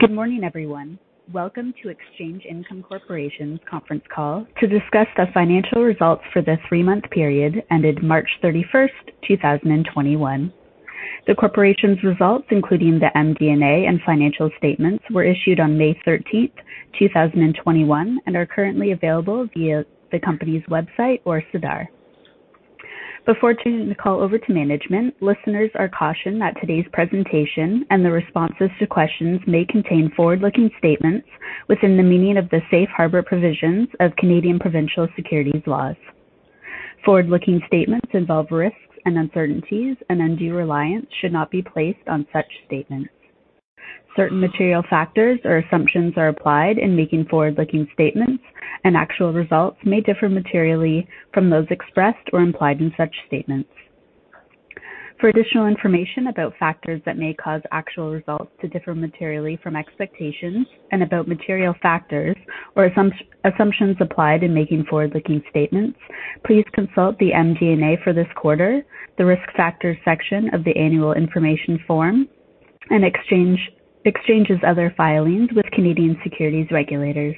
Good morning, everyone. Welcome to Exchange Income Corporation's conference call to discuss the financial results for the three-month period ended March 31st, 2021. The corporation's results, including the MD&A and financial statements, were issued on May 13th, 2021 and are currently available via the company's website or SEDAR. Before turning the call over to management, listeners are cautioned that today's presentation and the responses to questions may contain forward-looking statements within the meaning of the safe harbor provisions of Canadian provincial securities laws. Forward-looking statements involve risks and uncertainties, and undue reliance should not be placed on such statements. Certain material factors or assumptions are applied in making forward-looking statements, and actual results may differ materially from those expressed or implied in such statements. For additional information about factors that may cause actual results to differ materially from expectations and about material factors or assumptions applied in making forward-looking statements, please consult the MD&A for this quarter, the Risk Factors section of the annual information form, and Exchange's other filings with Canadian securities regulators.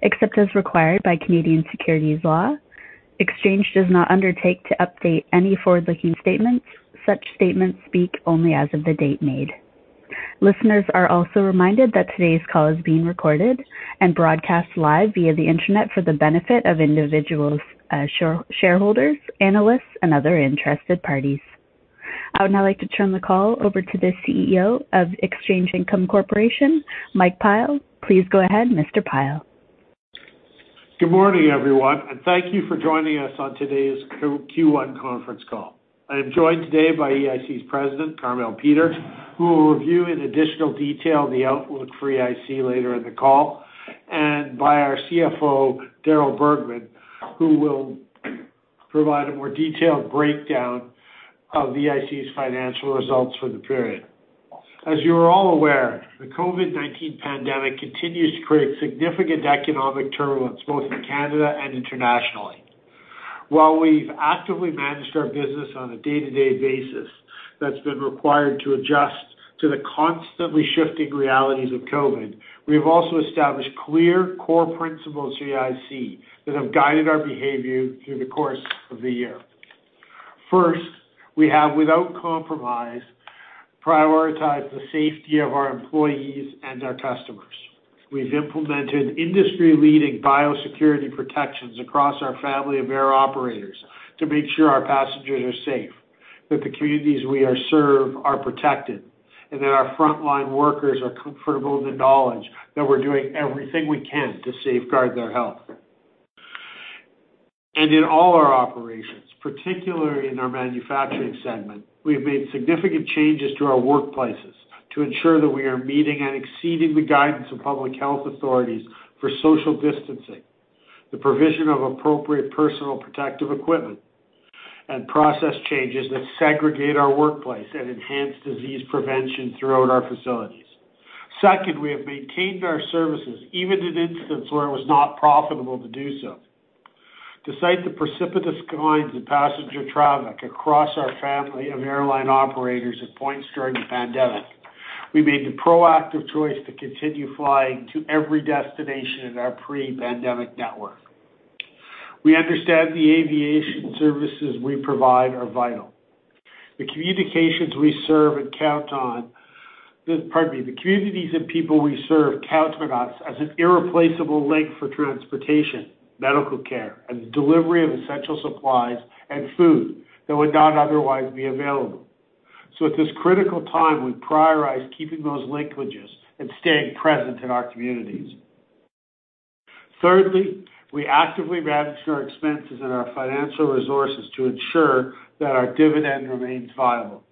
Except as required by Canadian securities law, Exchange does not undertake to update any forward-looking statements. Such statements speak only as of the date made. Listeners are also reminded that today's call is being recorded and broadcast live via the internet for the benefit of individuals, shareholders, analysts, and other interested parties. I would now like to turn the call over to the CEO of Exchange Income Corporation, Mike Pyle. Please go ahead, Mr. Pyle. Good morning, everyone, and thank you for joining us on today's Q1 conference call. I am joined today by EIC's President, Carmele Peter, who will review in additional detail the outlook for EIC later in the call, and by our CFO, Darryl Bergman, who will provide a more detailed breakdown of EIC's financial results for the period. As you are all aware, the COVID-19 pandemic continues to create significant economic turbulence both in Canada and internationally. While we've actively managed our business on a day-to-day basis that's been required to adjust to the constantly shifting realities of COVID-19, we have also established clear core principles at EIC that have guided our behavior through the course of the year. First, we have, without compromise, prioritized the safety of our employees and our customers. We've implemented industry-leading biosecurity protections across our family of air operators to make sure our passengers are safe, that the communities we serve are protected, and that our frontline workers are comfortable in the knowledge that we're doing everything we can to safeguard their health. In all our operations, particularly in our manufacturing segment, we have made significant changes to our workplaces to ensure that we are meeting and exceeding the guidance of public health authorities for social distancing, the provision of appropriate personal protective equipment, and process changes that segregate our workplace and enhance disease prevention throughout our facilities. Second, we have maintained our services, even in instances where it was not profitable to do so. To cite the precipitous declines in passenger traffic across our family of airline operators at points during the pandemic, we made the proactive choice to continue flying to every destination in our pre-pandemic network. We understand the aviation services we provide are vital. Pardon me. The communities and people we serve count on us as an irreplaceable link for transportation, medical care, and the delivery of essential supplies and food that would not otherwise be available. At this critical time, we prioritize keeping those linkages and staying present in our communities. Thirdly, we actively manage our expenses and our financial resources to ensure that our dividend remains viable.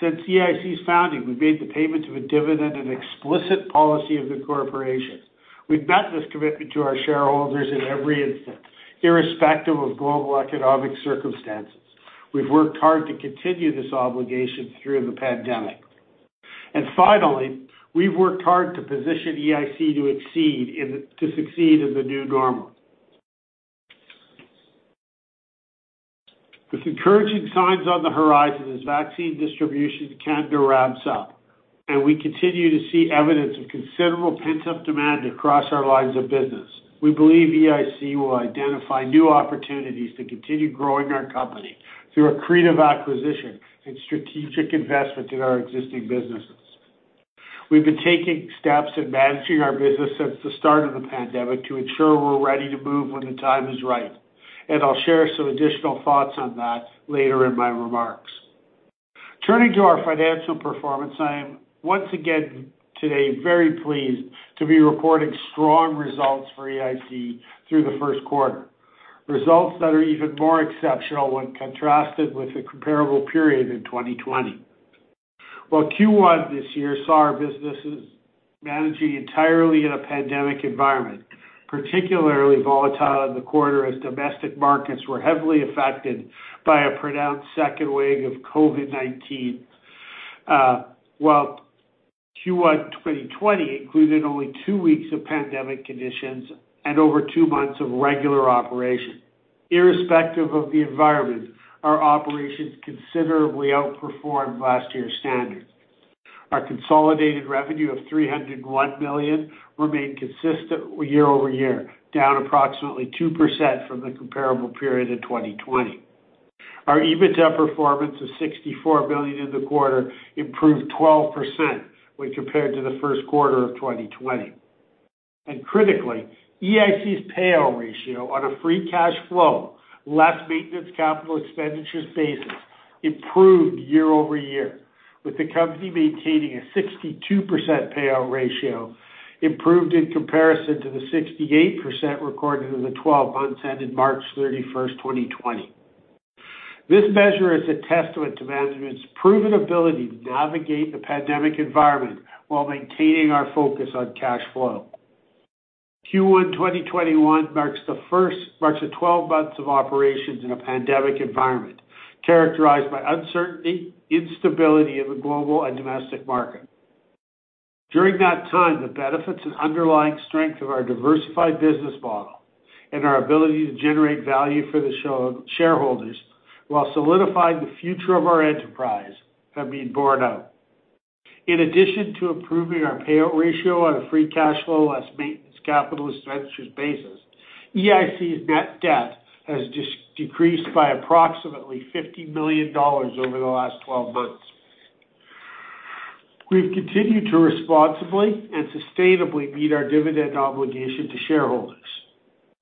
Since EIC's founding, we've made the payment of a dividend an explicit policy of the corporation. We've met this commitment to our shareholders in every instance, irrespective of global economic circumstances. We've worked hard to continue this obligation through the pandemic. Finally, we've worked hard to position EIC to succeed in the new normal. With encouraging signs on the horizon as vaccine distribution in Canada ramps up and we continue to see evidence of considerable pent-up demand across our lines of business, we believe EIC will identify new opportunities to continue growing our company through accretive acquisition and strategic investment in our existing businesses. We've been taking steps in managing our business since the start of the pandemic to ensure we're ready to move when the time is right, and I'll share some additional thoughts on that later in my remarks. Turning to our financial performance, I am once again today very pleased to be reporting strong results for EIC through the first quarter, results that are even more exceptional when contrasted with the comparable period in 2020. While Q1 this year saw our businesses managing entirely in a pandemic environment, particularly volatile in the quarter as domestic markets were heavily affected by a pronounced second wave of COVID-19, Q1 2020 included only two weeks of pandemic conditions and over two months of regular operation. Irrespective of the environment, our operations considerably outperformed last year's standards. Our consolidated revenue of CAD 301 million remained consistent year-over-year, down approximately 2% from the comparable period in 2020. Our EBITDA performance of 64 million in the quarter improved 12% when compared to the first quarter of 2020. Critically, EIC's payout ratio on a free cash flow, less maintenance capital expenditures basis, improved year-over-year, with the company maintaining a 62% payout ratio, improved in comparison to the 68% recorded in the 12 months ending March 31st, 2020. This measure is a testament to management's proven ability to navigate the pandemic environment while maintaining our focus on cash flow. Q1 2021 marks the 12 months of operations in a pandemic environment, characterized by uncertainty, instability of the global and domestic market. During that time, the benefits and underlying strength of our diversified business model and our ability to generate value for the shareholders while solidifying the future of our enterprise have been borne out. In addition to improving our payout ratio on a free cash flow less maintenance capital expenditures basis, EIC's net debt has decreased by approximately 50 million dollars over the last 12 months. We've continued to responsibly and sustainably meet our dividend obligation to shareholders,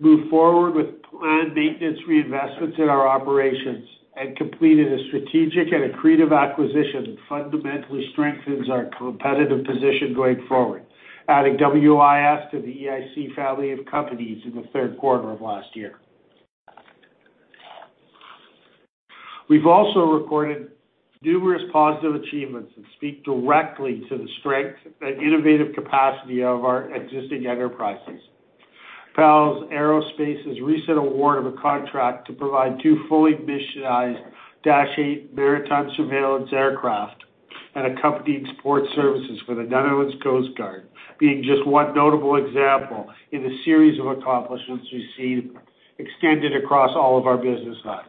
move forward with planned maintenance reinvestments in our operations and completed a strategic and accretive acquisition that fundamentally strengthens our competitive position going forward, adding WIS to the EIC family of companies in the third quarter of last year. We've also recorded numerous positive achievements that speak directly to the strength and innovative capacity of our existing enterprises. PAL Aerospace's recent award of a contract to provide two fully missionized Dash 8 maritime surveillance aircraft and accompanied support services for the Netherlands Coastguard being just one notable example in the series of accomplishments we've seen extended across all of our business lines.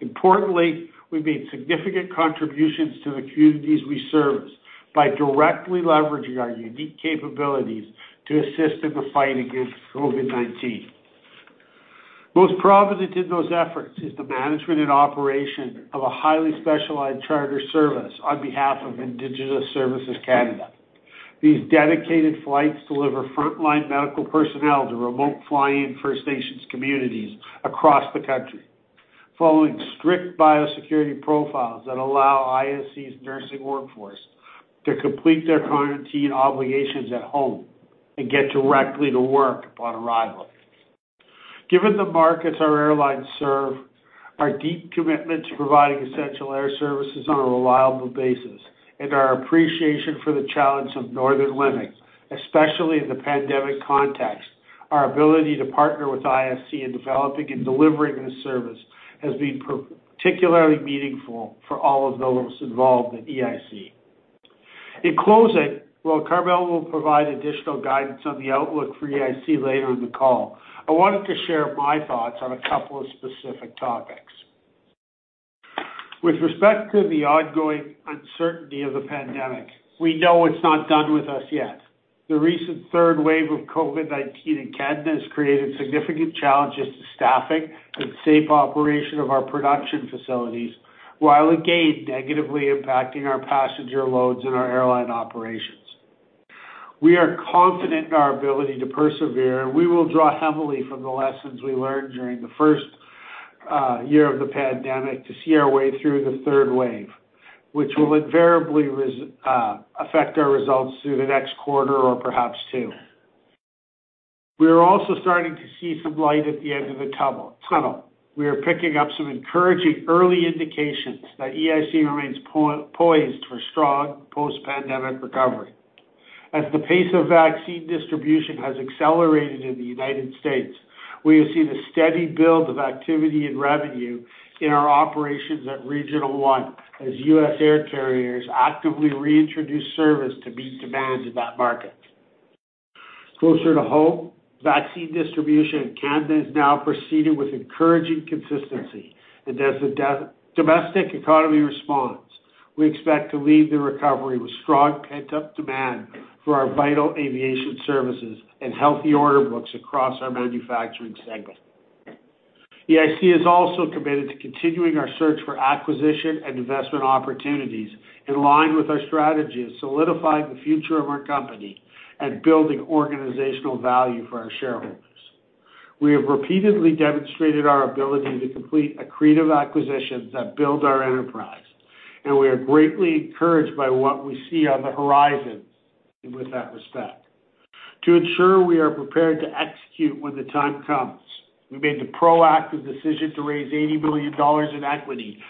Importantly, we've made significant contributions to the communities we service by directly leveraging our unique capabilities to assist in the fight against COVID-19. Most prominent in those efforts is the management and operation of a highly specialized charter service on behalf of Indigenous Services Canada. These dedicated flights deliver frontline medical personnel to remote fly-in First Nations communities across the country, following strict biosecurity profiles that allow ISC's nursing workforce to complete their quarantine obligations at home and get directly to work upon arrival. Given the markets our airlines serve, our deep commitment to providing essential air services on a reliable basis, and our appreciation for the challenge of northern living, especially in the pandemic context, our ability to partner with ISC in developing and delivering this service has been particularly meaningful for all of those involved at EIC. In closing, while Carmele will provide additional guidance on the outlook for EIC later in the call, I wanted to share my thoughts on a couple of specific topics. With respect to the ongoing uncertainty of the pandemic, we know it's not done with us yet. The recent third wave of COVID-19 in Canada has created significant challenges to staffing and safe operation of our production facilities, while again, negatively impacting our passenger loads and our airline operations. We are confident in our ability to persevere, and we will draw heavily from the lessons we learned during the first year of the pandemic to see our way through the third wave, which will invariably affect our results through the next quarter or perhaps two. We are also starting to see some light at the end of the tunnel. We are picking up some encouraging early indications that EIC remains poised for strong post-pandemic recovery. As the pace of vaccine distribution has accelerated in the U.S., we have seen a steady build of activity and revenue in our operations at Regional One as U.S. air carriers actively reintroduce service to meet demands in that market. Closer to home, vaccine distribution in Canada is now proceeding with encouraging consistency. As the domestic economy responds, we expect to lead the recovery with strong pent-up demand for our vital aviation services and healthy order books across our manufacturing segment. EIC is also committed to continuing our search for acquisition and investment opportunities in line with our strategy of solidifying the future of our company and building organizational value for our shareholders. We have repeatedly demonstrated our ability to complete accretive acquisitions that build our enterprise, and we are greatly encouraged by what we see on the horizon with that respect. To ensure we are prepared to execute when the time comes, we made the proactive decision to raise 80 million dollars in equity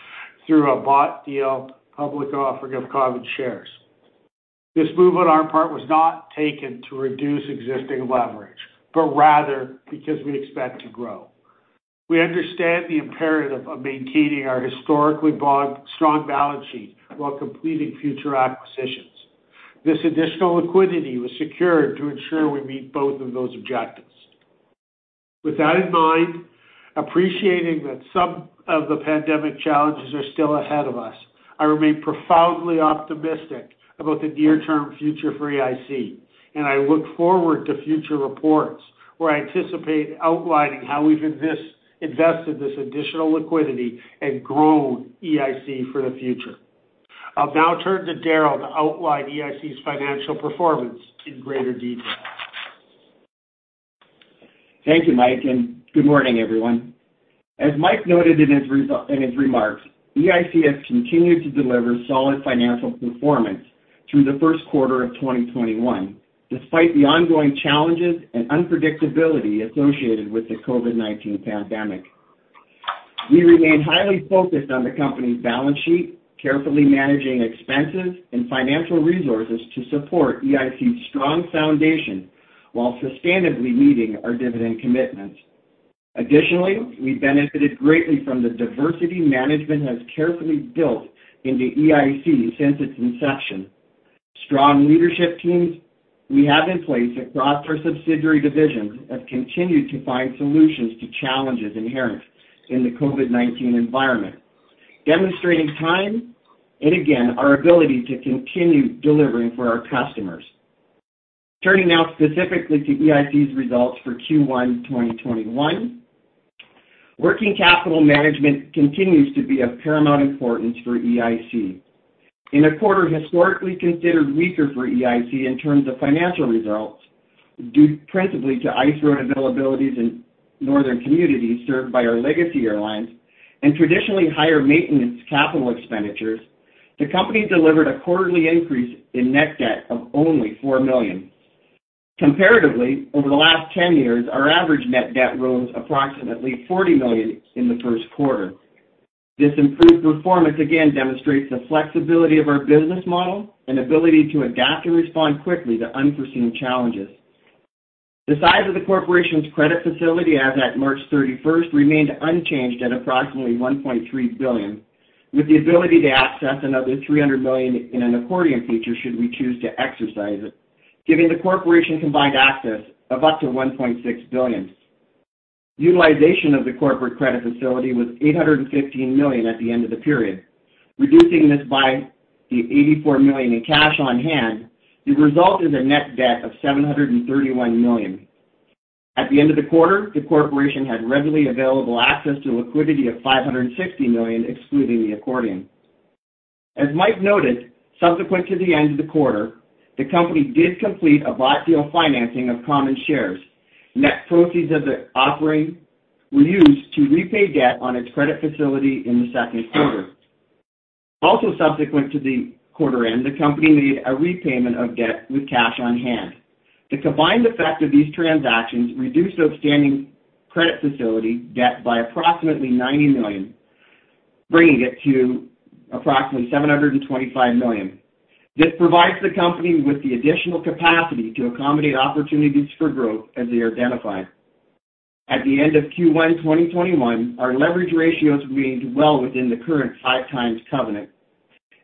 through a bought deal public offering of common shares. This move on our part was not taken to reduce existing leverage, but rather because we expect to grow. We understand the imperative of maintaining our historically strong balance sheet while completing future acquisitions. This additional liquidity was secured to ensure we meet both of those objectives. With that in mind, appreciating that some of the pandemic challenges are still ahead of us, I remain profoundly optimistic about the near-term future for EIC, and I look forward to future reports where I anticipate outlining how we've invested this additional liquidity and grown EIC for the future. I'll now turn to Darryl to outline EIC's financial performance in greater detail. Thank you, Mike, and good morning, everyone. As Mike noted in his remarks, EIC has continued to deliver solid financial performance through the first quarter of 2021, despite the ongoing challenges and unpredictability associated with the COVID-19 pandemic. We remain highly focused on the company's balance sheet, carefully managing expenses and financial resources to support EIC's strong foundation while sustainably meeting our dividend commitments. Additionally, we benefited greatly from the diversity management has carefully built into EIC since its inception. Strong leadership teams we have in place across our subsidiary divisions have continued to find solutions to challenges inherent in the COVID-19 environment, demonstrating time and again our ability to continue delivering for our customers. Turning now specifically to EIC's results for Q1 2021. Working capital management continues to be of paramount importance for EIC. In a quarter historically considered weaker for EIC in terms of financial results, due principally to ice road availabilities in northern communities served by our Legacy Airlines and traditionally higher maintenance capital expenditures, the company delivered a quarterly increase in net debt of only 4 million. Comparatively, over the last 10 years, our average net debt rose approximately 40 million in the first quarter. This improved performance again demonstrates the flexibility of our business model and ability to adapt and respond quickly to unforeseen challenges. The size of the corporation's credit facility as at March 31st remained unchanged at approximately 1.3 billion, with the ability to access another 300 million in an accordion feature should we choose to exercise it, giving the corporation combined access of up to 1.6 billion. Utilization of the corporate credit facility was 815 million at the end of the period. Reducing this by the 84 million in cash on hand, the result is a net debt of 731 million. At the end of the quarter, the corporation had readily available access to liquidity of 560 million, excluding the accordion. As Mike noted, subsequent to the end of the quarter, the company did complete a bought deal financing of common shares. Net proceeds of the offering were used to repay debt on its credit facility in the second quarter. Also subsequent to the quarter end, the company made a repayment of debt with cash on hand. The combined effect of these transactions reduced outstanding credit facility debt by approximately 90 million, bringing it to approximately 725 million. This provides the company with the additional capacity to accommodate opportunities for growth as they are identified. At the end of Q1 2021, our leverage ratios remained well within the current 5x covenant,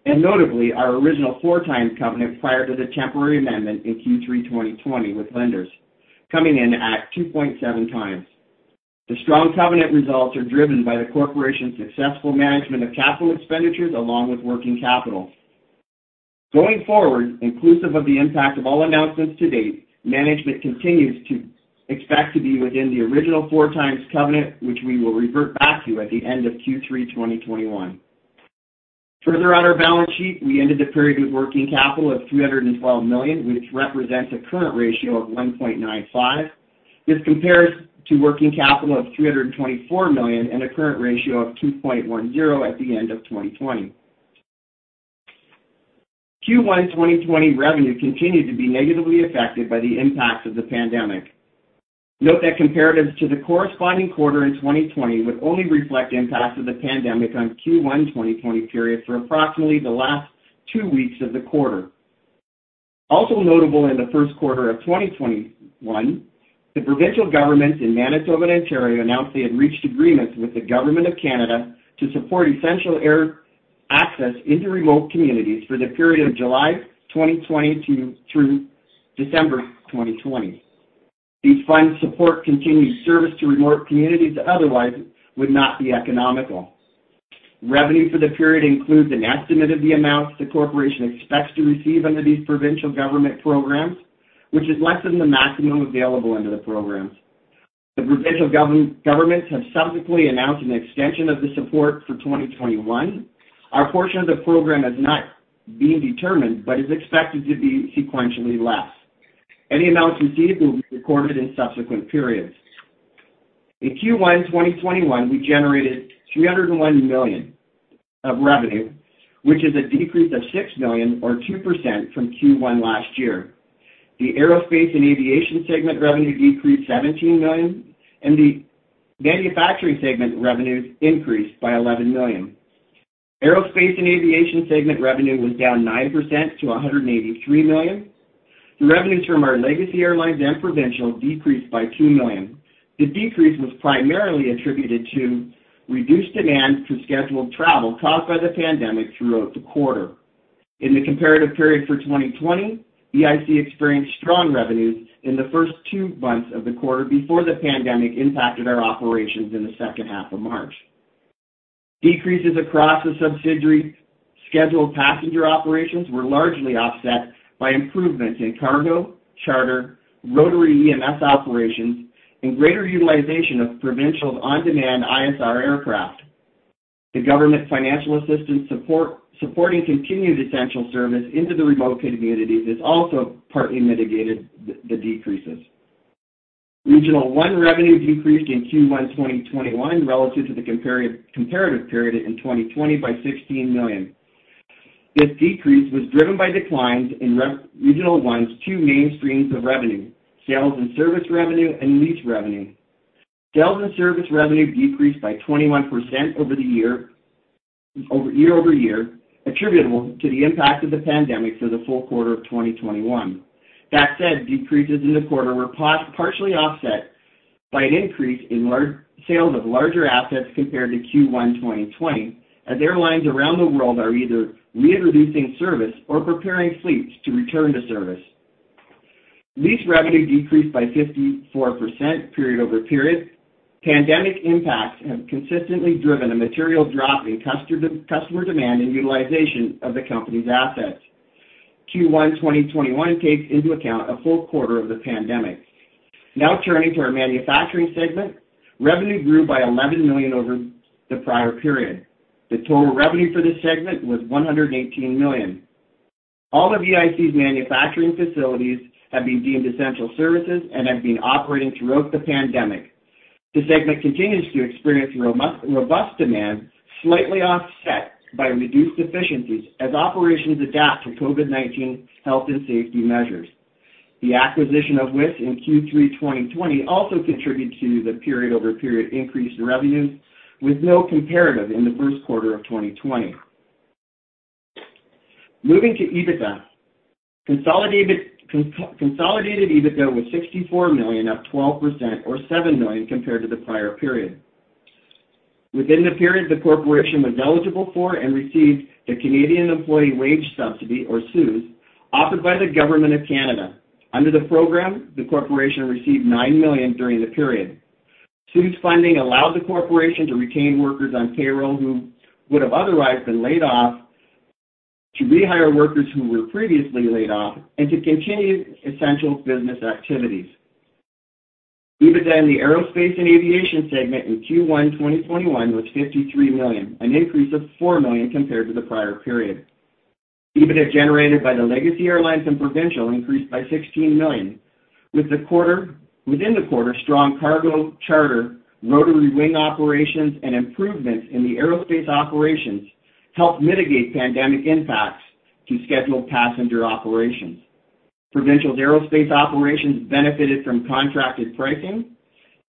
notably our original 4x covenant prior to the temporary amendment in Q3 2020 with lenders, coming in at 2.7x. The strong covenant results are driven by the corporation's successful management of capital expenditures along with working capital. Going forward, inclusive of the impact of all announcements to date, management continues to expect to be within the original 4x covenant, which we will revert back to at the end of Q3 2021. Further on our balance sheet, we ended the period with working capital of 312 million, which represents a current ratio of 1.95. This compares to working capital of 324 million and a current ratio of 2.10 at the end of 2020. Q1 2020 revenue continued to be negatively affected by the impacts of the pandemic. Note that comparatives to the corresponding quarter in 2020 would only reflect impacts of the pandemic on Q1 2020 period for approximately the last two weeks of the quarter. Also notable in the first quarter of 2021, the provincial governments in Manitoba and Ontario announced they had reached agreements with the Government of Canada to support essential air access into remote communities for the period of July 2020 through December 2020. These funds support continued service to remote communities that otherwise would not be economical. Revenue for the period includes an estimate of the amounts the corporation expects to receive under these provincial government programs, which is less than the maximum available under the programs. The provincial governments have subsequently announced an extension of the support for 2021. Our portion of the program has not been determined but is expected to be sequentially less. Any amounts received will be recorded in subsequent periods. In Q1 2021, we generated 301 million of revenue, which is a decrease of 6 million or 2% from Q1 last year. The Aerospace and Aviation segment revenue decreased 17 million and the Manufacturing segment revenues increased by 11 million. Aerospace and Aviation segment revenue was down 9% to 183 million. The revenues from our Legacy Airlines and Provincial decreased by 2 million. The decrease was primarily attributed to reduced demand to scheduled travel caused by the pandemic throughout the quarter. In the comparative period for 2020, EIC experienced strong revenues in the first two months of the quarter before the pandemic impacted our operations in the second half of March. Decreases across the subsidiary scheduled passenger operations were largely offset by improvements in cargo, charter, rotary EMS operations, and greater utilization of Provincial's on-demand ISR aircraft. The government financial assistance supporting continued essential service into the remote communities has also partly mitigated the decreases. Regional One revenue decreased in Q1 2021 relative to the comparative period in 2020 by 16 million. This decrease was driven by declines in Regional One's two main streams of revenue, sales and service revenue and lease revenue. Sales and service revenue decreased by 21% year-over-year, attributable to the impact of the pandemic for the full quarter of 2021. Decreases in the quarter were partially offset by an increase in sales of larger assets compared to Q1 2020, as airlines around the world are either reintroducing service or preparing fleets to return to service. Lease revenue decreased by 54% period-over-period. Pandemic impacts have consistently driven a material drop in customer demand and utilization of the company's assets. Q1 2021 takes into account a full quarter of the pandemic. Now turning to our Manufacturing segment. Revenue grew by 11 million over the prior period. The total revenue for this segment was 118 million. All of EIC's manufacturing facilities have been deemed essential services and have been operating throughout the pandemic. The segment continues to experience robust demand, slightly offset by reduced efficiencies as operations adapt to COVID-19 health and safety measures. The acquisition of WIS in Q3 2020 also contributed to the period over period increase in revenues, with no comparative in the first quarter of 2020. Moving to EBITDA. Consolidated EBITDA was 64 million, up 12% or 7 million compared to the prior period. Within the period, the corporation was eligible for and received the Canada Emergency Wage Subsidy, or CEWS, offered by the Government of Canada. Under the program, the corporation received 9 million during the period. CEWS funding allowed the corporation to retain workers on payroll who would have otherwise been laid off, to rehire workers who were previously laid off, and to continue essential business activities. EBITDA in the Aerospace and Aviation segment in Q1 2021 was 53 million, an increase of 4 million compared to the prior period. EBITDA generated by the Legacy Airlines and Provincial increased by 16 million. Within the quarter, strong cargo, charter, rotary wing operations, and improvements in the aerospace operations helped mitigate pandemic impacts to scheduled passenger operations. Provincial's aerospace operations benefited from contracted pricing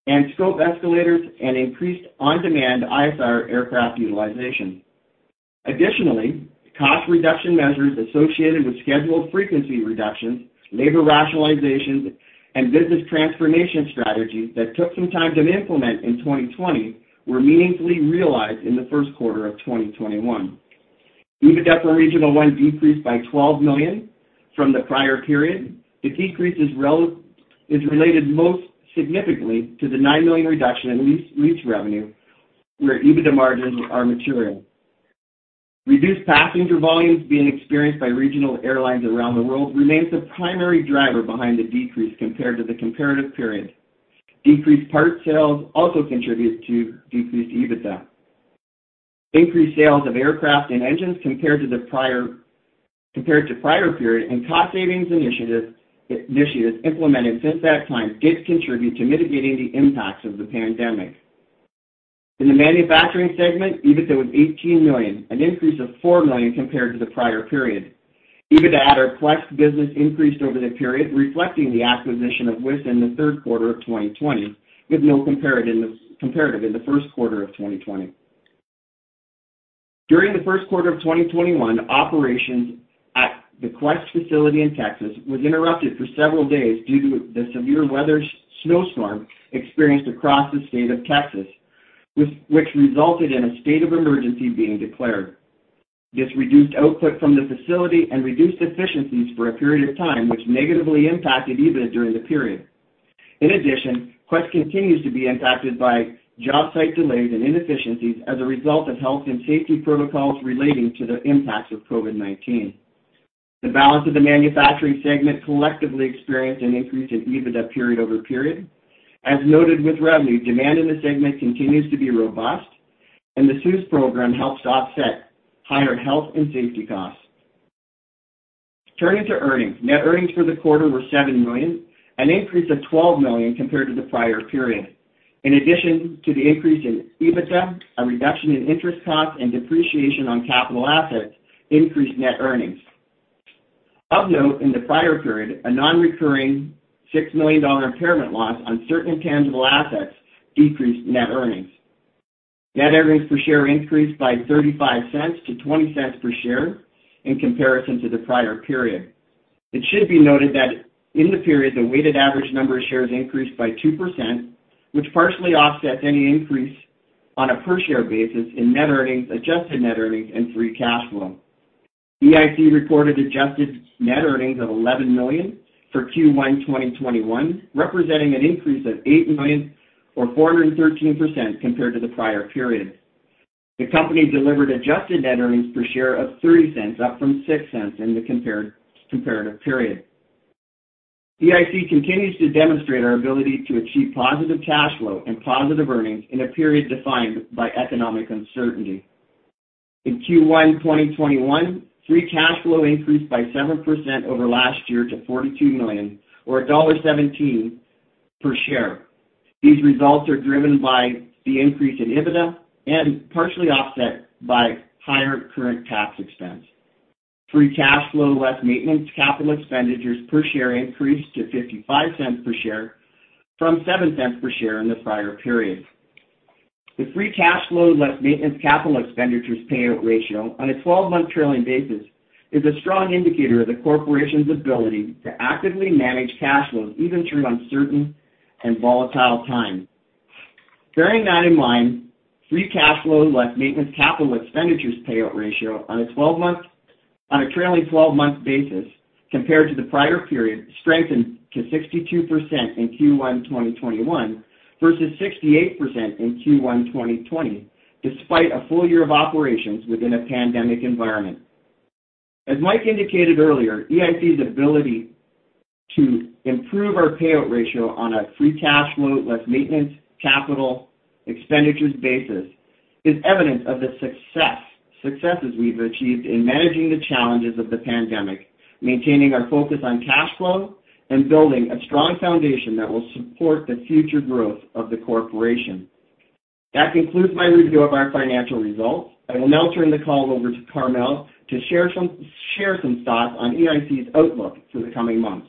and scope escalators and increased on-demand ISR aircraft utilization. Additionally, cost reduction measures associated with scheduled frequency reductions, labor rationalizations, and business transformation strategies that took some time to implement in 2020 were meaningfully realized in the first quarter of 2021. EBITDA for Regional One decreased by 12 million from the prior period. The decrease is related most significantly to the 9 million reduction in lease revenue, where EBITDA margins are maturing. Reduced passenger volumes being experienced by regional airlines around the world remains the primary driver behind the decrease compared to the comparative period. Decreased parts sales also contributes to decreased EBITDA. Increased sales of aircraft and engines compared to prior period and cost savings initiatives implemented since that time did contribute to mitigating the impacts of the pandemic. In the Manufacturing Segment, EBITDA was 18 million, an increase of 4 million compared to the prior period. EBITDA at our Quest business increased over the period, reflecting the acquisition of WIS in the third quarter of 2020, with no comparative in the first quarter of 2020. During the first quarter of 2021, operations at the Quest facility in Texas was interrupted for several days due to the severe weather snowstorm experienced across the state of Texas, which resulted in a state of emergency being declared. This reduced output from the facility and reduced efficiencies for a period of time, which negatively impacted EBITDA during the period. In addition, Quest continues to be impacted by job site delays and inefficiencies as a result of health and safety protocols relating to the impacts of COVID-19. The balance of the manufacturing segment collectively experienced an increase in EBITDA period over period. As noted with revenue, demand in the segment continues to be robust, and the CEWS program helps offset higher health and safety costs. Turning to earnings. Net earnings for the quarter were 7 million, an increase of 12 million compared to the prior period. In addition to the increase in EBITDA, a reduction in interest costs and depreciation on capital assets increased net earnings. Of note, in the prior period, a non-recurring 6 million dollar impairment loss on certain tangible assets decreased net earnings. Net earnings per share increased by 0.35 to 0.20 per share in comparison to the prior period. It should be noted that in the period, the weighted average number of shares increased by 2%, which partially offsets any increase on a per-share basis in net earnings, adjusted net earnings, and free cash flow. EIC reported adjusted net earnings of 11 million for Q1 2021, representing an increase of 8 million or 413% compared to the prior period. The company delivered adjusted net earnings per share of 0.30, up from 0.06 in the comparative period. EIC continues to demonstrate our ability to achieve positive cash flow and positive earnings in a period defined by economic uncertainty. In Q1 2021, free cash flow increased by 7% over last year to 42 million or dollar 1.17 per share. These results are driven by the increase in EBITDA and partially offset by higher current tax expense. Free cash flow, less maintenance capital expenditures per share increased to 0.55 per share from 0.07 per share in the prior period. The free cash flow, less maintenance capital expenditures payout ratio on a 12-month trailing basis is a strong indicator of the corporation's ability to actively manage cash flows even through uncertain and volatile times. Bearing that in mind, free cash flow, less maintenance capital expenditures payout ratio on a trailing 12-month basis compared to the prior period strengthened to 62% in Q1 2021 versus 68% in Q1 2020, despite a full year of operations within a pandemic environment. As Mike indicated earlier, EIC's ability to improve our payout ratio on a free cash flow, less maintenance capital expenditures basis is evidence of the successes we've achieved in managing the challenges of the pandemic, maintaining our focus on cash flow, and building a strong foundation that will support the future growth of the corporation. That concludes my review of our financial results. I will now turn the call over to Carmele to share some thoughts on EIC's outlook for the coming months.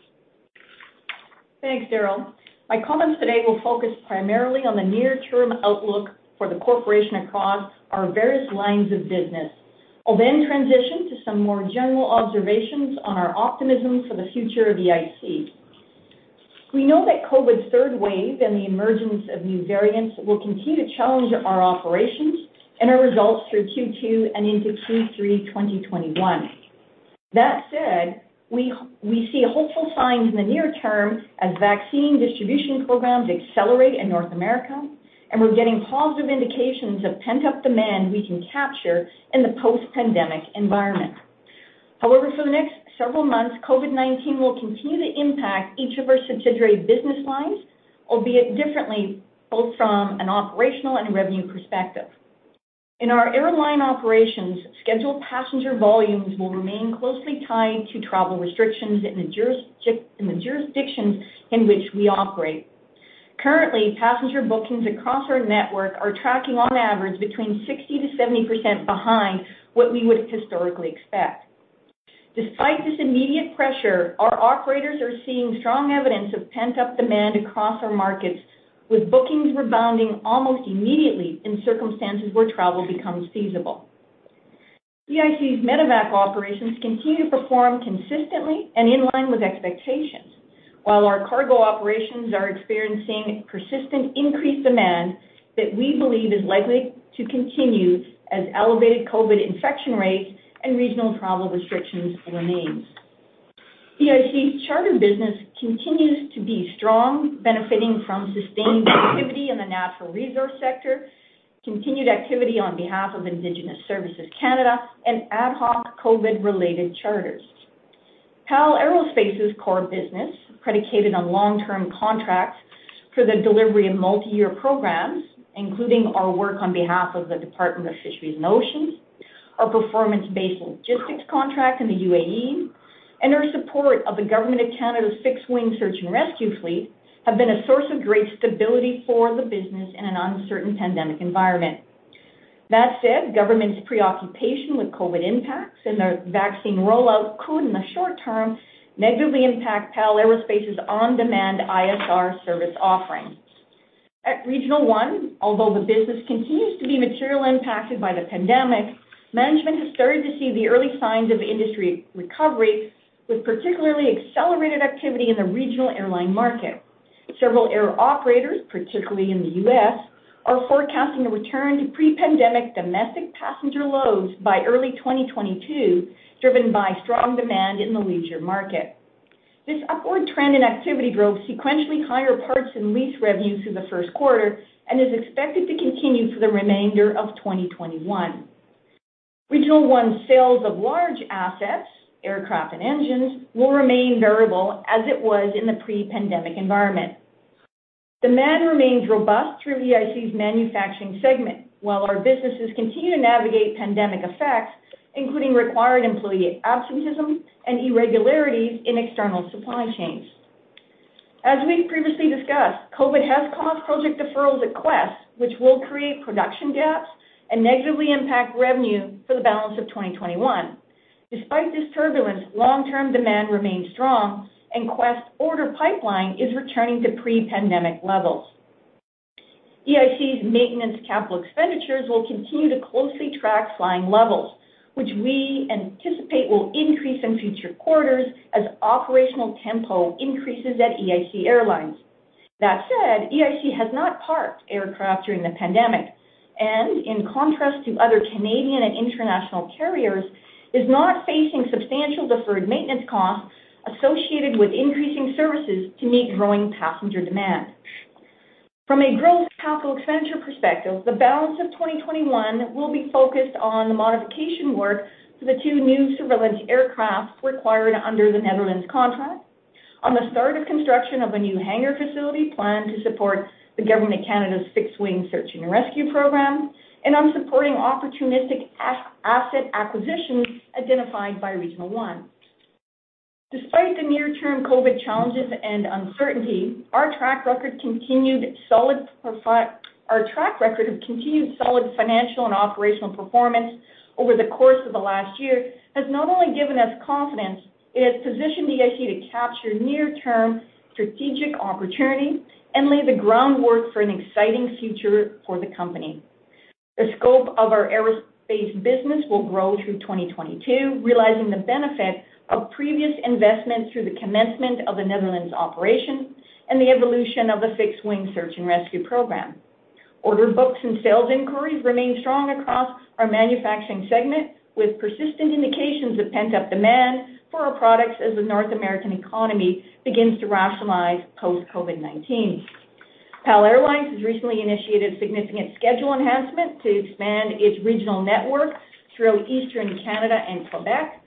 Thanks, Darryl. My comments today will focus primarily on the near-term outlook for the corporation across our various lines of business. I'll then transition to some more general observations on our optimism for the future of EIC. We know that COVID's third wave and the emergence of new variants will continue to challenge our operations and our results through Q2 and into Q3 2021. That said, we see hopeful signs in the near term as vaccine distribution programs accelerate in North America, and we're getting positive indications of pent-up demand we can capture in the post-pandemic environment. However, for the next several months, COVID-19 will continue to impact each of our subsidiary business lines, albeit differently, both from an operational and revenue perspective. In our airline operations, scheduled passenger volumes will remain closely tied to travel restrictions in the jurisdictions in which we operate. Currently, passenger bookings across our network are tracking on average between 60%-70% behind what we would historically expect. Despite this immediate pressure, our operators are seeing strong evidence of pent-up demand across our markets with bookings rebounding almost immediately in circumstances where travel becomes feasible. EIC's medevac operations continue to perform consistently and in line with expectations. While our cargo operations are experiencing persistent increased demand that we believe is likely to continue as elevated COVID infection rates and regional travel restrictions remain. EIC's charter business continues to be strong, benefiting from sustained activity in the natural resource sector, continued activity on behalf of Indigenous Services Canada, and ad hoc COVID-related charters. PAL Aerospace's core business, predicated on long-term contracts for the delivery of multi-year programs, including our work on behalf of the Department of Fisheries and Oceans, our performance-based logistics contract in the UAE, and our support of the Government of Canada's fixed-wing search and rescue fleet, have been a source of great stability for the business in an uncertain pandemic environment. That said, government's preoccupation with COVID impacts and their vaccine rollout could in the short term negatively impact PAL Aerospace's on-demand ISR service offerings. At Regional One, although the business continues to be materially impacted by the pandemic, management has started to see the early signs of industry recovery with particularly accelerated activity in the regional airline market. Several air operators, particularly in the U.S., are forecasting a return to pre-pandemic domestic passenger loads by early 2022, driven by strong demand in the leisure market. This upward trend in activity drove sequentially higher parts and lease revenues through the first quarter and is expected to continue for the remainder of 2021. Regional One sales of large assets, aircraft and engines, will remain variable as it was in the pre-pandemic environment. Demand remains robust through EIC's manufacturing segment while our businesses continue to navigate pandemic effects, including required employee absenteeism and irregularities in external supply chains. As we've previously discussed, COVID has caused project deferrals at Quest, which will create production gaps and negatively impact revenue for the balance of 2021. Despite this turbulence, long-term demand remains strong and Quest order pipeline is returning to pre-pandemic levels. EIC's maintenance capital expenditures will continue to closely track flying levels, which we anticipate will increase in future quarters as operational tempo increases at EIC Airlines. That said, EIC has not parked aircraft during the pandemic, and in contrast to other Canadian and international carriers, is not facing substantial deferred maintenance costs associated with increasing services to meet growing passenger demand. From a growth capital expenditure perspective, the balance of 2021 will be focused on the modification work for the two new surveillance aircraft required under the Netherlands contract, on the start of construction of a new hangar facility planned to support the Government of Canada's fixed-wing search and rescue program, and on supporting opportunistic asset acquisitions identified by Regional One. Despite the near-term COVID challenges and uncertainty, our track record of continued solid financial and operational performance over the course of the last year has not only given us confidence, it has positioned EIC to capture near-term strategic opportunities and lay the groundwork for an exciting future for the company. The scope of our aerospace business will grow through 2022, realizing the benefit of previous investments through the commencement of the Netherlands operation and the evolution of the fixed-wing search and rescue program. Order books and sales inquiries remain strong across our manufacturing segment, with persistent indications of pent-up demand for our products as the North American economy begins to rationalize post-COVID-19. PAL Airlines has recently initiated significant schedule enhancements to expand its regional network throughout Eastern Canada and Quebec.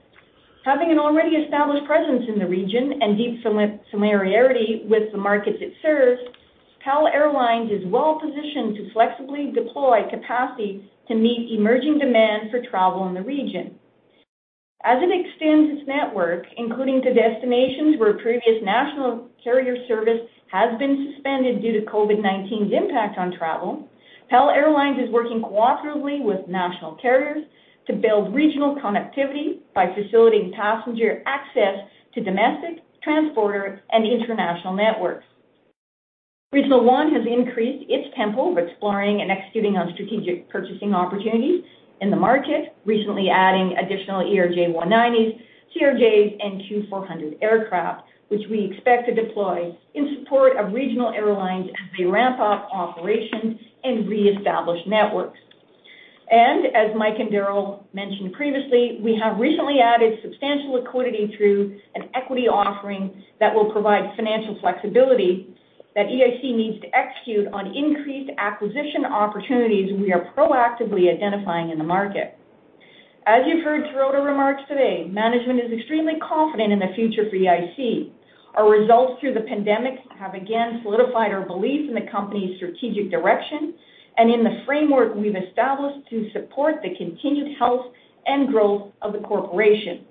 Having an already established presence in the region and deep familiarity with the markets it serves, PAL Airlines is well-positioned to flexibly deploy capacity to meet emerging demand for travel in the region. As it extends its network, including to destinations where previous national carrier service has been suspended due to COVID-19's impact on travel, PAL Airlines is working cooperatively with national carriers to build regional connectivity by facilitating passenger access to domestic, transborder, and international networks. Regional One has increased its tempo of exploring and executing on strategic purchasing opportunities in the market, recently adding additional ERJ 190s, CRJs, and Q400 aircraft, which we expect to deploy in support of regional airlines as they ramp up operations and reestablish networks. As Mike and Darryl mentioned previously, we have recently added substantial liquidity through an equity offering that will provide financial flexibility that EIC needs to execute on increased acquisition opportunities we are proactively identifying in the market. As you've heard throughout our remarks today, management is extremely confident in the future for EIC. Our results through the pandemic have again solidified our belief in the company's strategic direction and in the framework we've established to support the continued health and growth of the corporation.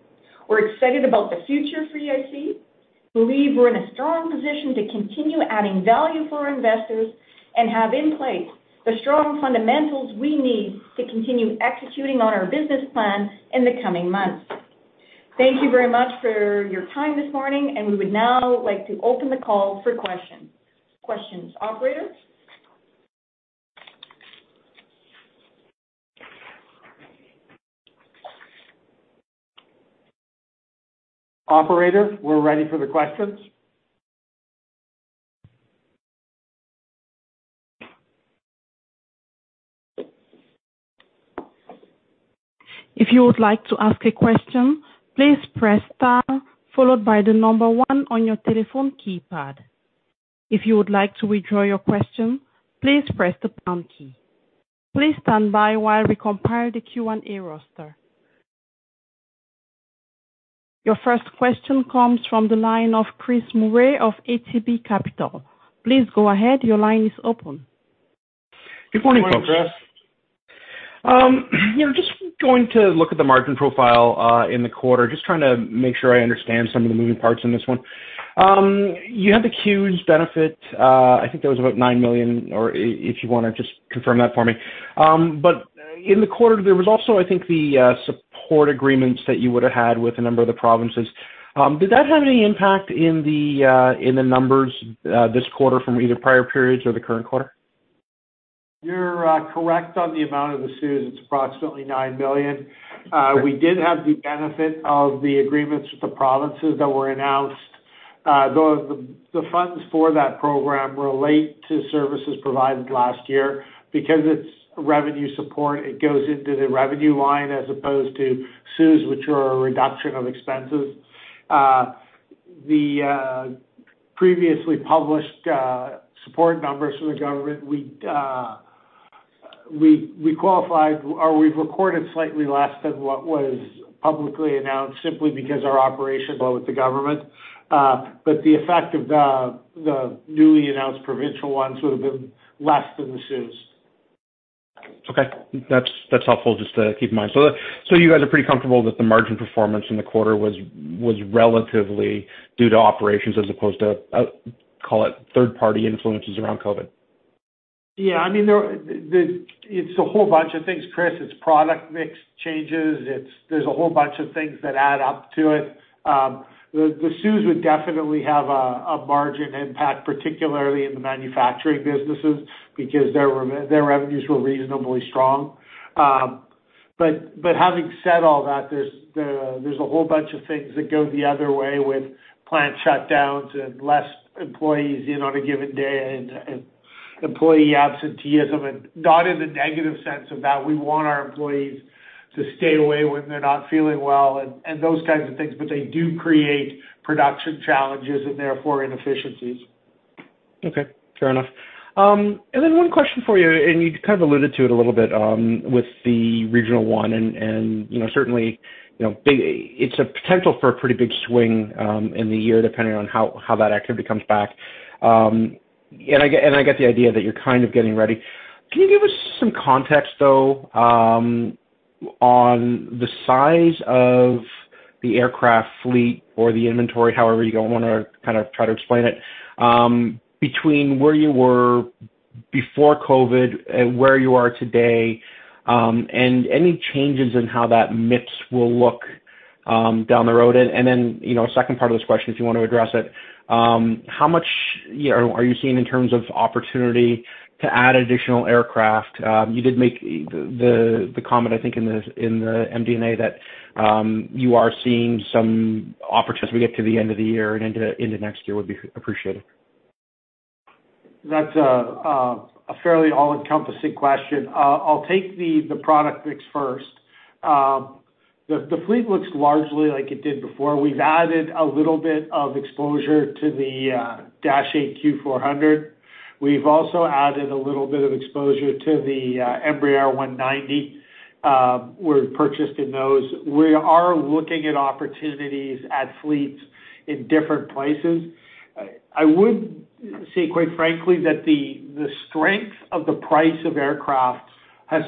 We're excited about the future for EIC, believe we're in a strong position to continue adding value for our investors, and have in place the strong fundamentals we need to continue executing on our business plan in the coming months. Thank you very much for your time this morning. We would now like to open the call for questions. Questions, operator? Operator, we're ready for the questions. If you would like to ask a question, please press star followed by the number one on your telephone keypad. If you would like to withdraw your question, please press the pound key. Please stand by while we compile the Q&A roster. Your first question comes from the line of Chris Murray of ATB Capital. Please go ahead. Your line is open. Good morning, folks. Good morning, Chris. Just going to look at the margin profile, in the quarter. Just trying to make sure I understand some of the moving parts in this one. You had the CEWS benefit, I think that was about 9 million, or if you want to just confirm that for me. In the quarter, there was also, I think, the support agreements that you would have had with a number of the provinces. Did that have any impact in the numbers this quarter from either prior periods or the current quarter? You're correct on the amount of the CEWS. It's approximately 9 million. We did have the benefit of the agreements with the provinces that were announced. The funds for that program relate to services provided last year. It's revenue support, it goes into the revenue line as opposed to CEWS, which are a reduction of expenses. The previously published support numbers from the government, we've recorded slightly less than what was publicly announced simply because our operations go with the government. The effect of the newly announced provincial ones would have been less than the CEWS. Okay. That's helpful just to keep in mind. You guys are pretty comfortable that the margin performance in the quarter was relatively due to operations as opposed to, call it, third-party influences around COVID? It's a whole bunch of things, Chris. It's product mix changes. There's a whole bunch of things that add up to it. The CEWS would definitely have a margin impact, particularly in the manufacturing businesses, because their revenues were reasonably strong. Having said all that, there's a whole bunch of things that go the other way with plant shutdowns, and less employees in on a given day, and employee absenteeism. Not in the negative sense of that. We want our employees to stay away when they're not feeling well, and those kinds of things, but they do create production challenges, and therefore inefficiencies. Okay. Fair enough. One question for you, and you kind of alluded to it a little bit with Regional One, and certainly, it's a potential for a pretty big swing in the year, depending on how that activity comes back. I get the idea that you're kind of getting ready. Can you give us some context, though, on the size of the aircraft fleet or the inventory, however you want to try to explain it, between where you were before COVID and where you are today, and any changes in how that mix will look down the road? Second part of this question, if you want to address it, how much are you seeing in terms of opportunity to add additional aircraft? You did make the comment, I think, in the MD&A, that you are seeing some opportunities as we get to the end of the year and into next year would be appreciated. That's a fairly all-encompassing question. I'll take the product mix first. The fleet looks largely like it did before. We've added a little bit of exposure to the Dash 8 Q400. We've also added a little bit of exposure to the Embraer 190. We're purchasing those. We are looking at opportunities at fleets in different places. I would say, quite frankly, that the strength of the price of aircraft has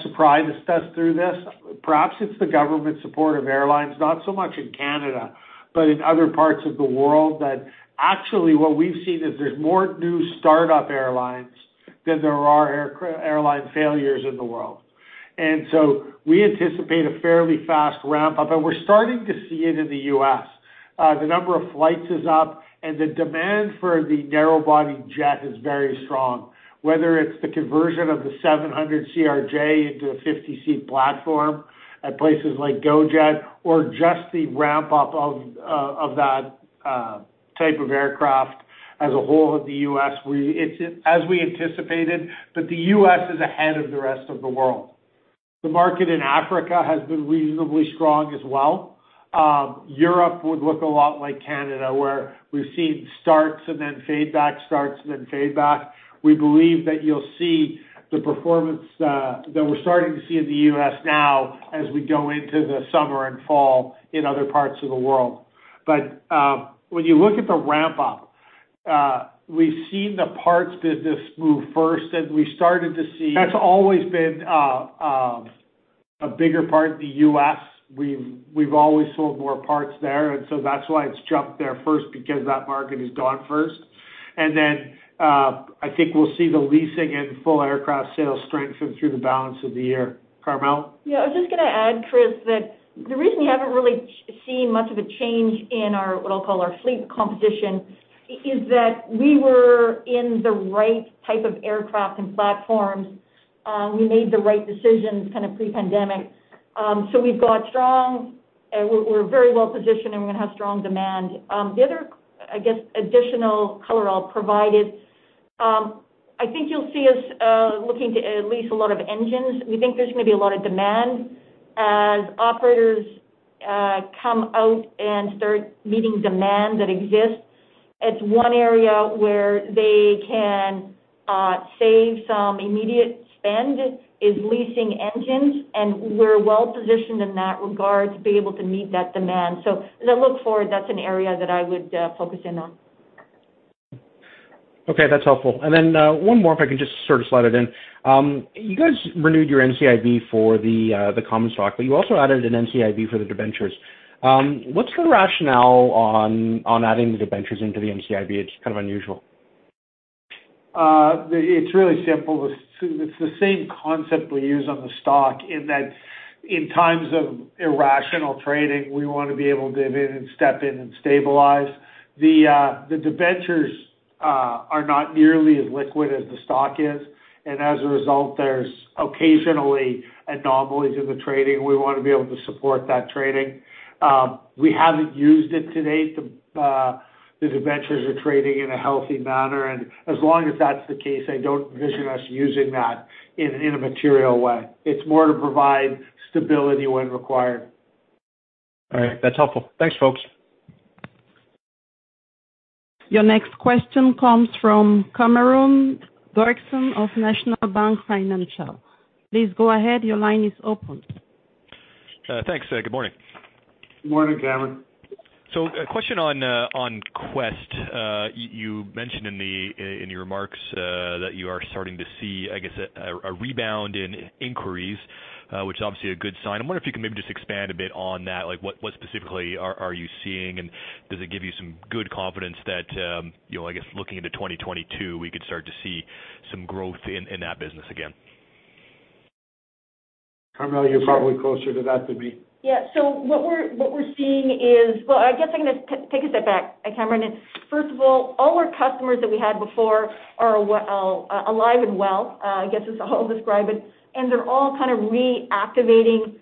surprised us through this. Perhaps it's the government support of airlines, not so much in Canada, but in other parts of the world, that actually what we've seen is there's more new startup airlines than there are airline failures in the world. We anticipate a fairly fast ramp up, and we're starting to see it in the U.S. The number of flights is up, and the demand for the narrow-body jet is very strong, whether it's the conversion of the 700 CRJ into a 50-seat platform at places like GoJet or just the ramp up of that type of aircraft as a whole of the U.S. As we anticipated, the U.S. is ahead of the rest of the world. The market in Africa has been reasonably strong as well. Europe would look a lot like Canada, where we've seen starts and then fade back, starts and then fade back. We believe that you'll see the performance that we're starting to see in the U.S. now as we go into the summer and fall in other parts of the world. When you look at the ramp up, we've seen the parts business move first. We started to see that's always been a bigger part in the U.S. We've always sold more parts there, that's why it's jumped there first because that market is gone first. I think we'll see the leasing and full aircraft sales strengthen through the balance of the year. Carmele? Yeah, I was just going to add, Chris, that the reason you haven't really seen much of a change in our, what I'll call our fleet composition, is that we were in the right type of aircraft and platforms. We made the right decisions pre-pandemic. We're very well positioned, and we're going to have strong demand. The other, I guess, additional color I'll provide is, I think you'll see us looking to lease a lot of engines. We think there's going to be a lot of demand as operators come out and start meeting demand that exists. It's one area where they can save some immediate spend is leasing engines, and we're well positioned in that regard to be able to meet that demand. As I look forward, that's an area that I would focus in on. Okay, that's helpful. One more, if I could just sort of slide it in. You guys renewed your NCIB for the common stock, but you also added an NCIB for the debentures. What's the rationale on adding the debentures into the NCIB? It's kind of unusual. It's really simple. It's the same concept we use on the stock in that in times of irrational trading, we want to be able to dip in and step in and stabilize. The debentures are not nearly as liquid as the stock is, and as a result, there's occasionally anomalies in the trading. We want to be able to support that trading. We haven't used it to date. The debentures are trading in a healthy manner, and as long as that's the case, I don't envision us using that in a material way. It's more to provide stability when required. All right. That's helpful. Thanks, folks. Your next question comes from Cameron Doerksen of National Bank Financial. Thanks. Good morning. Good morning, Cameron. A question on Quest. You mentioned in your remarks that you are starting to see, I guess, a rebound in inquiries, which is obviously a good sign. I wonder if you can maybe just expand a bit on that. What specifically are you seeing, and does it give you some good confidence that, I guess, looking into 2022, we could start to see some growth in that business again? Carmele, you're probably closer to that than me. Yeah. What we're seeing is Well, I guess I'm going to take a step back, Cameron. First of all our customers that we had before are aligned well, I guess is how I'll describe it, and they're all kind of reactivating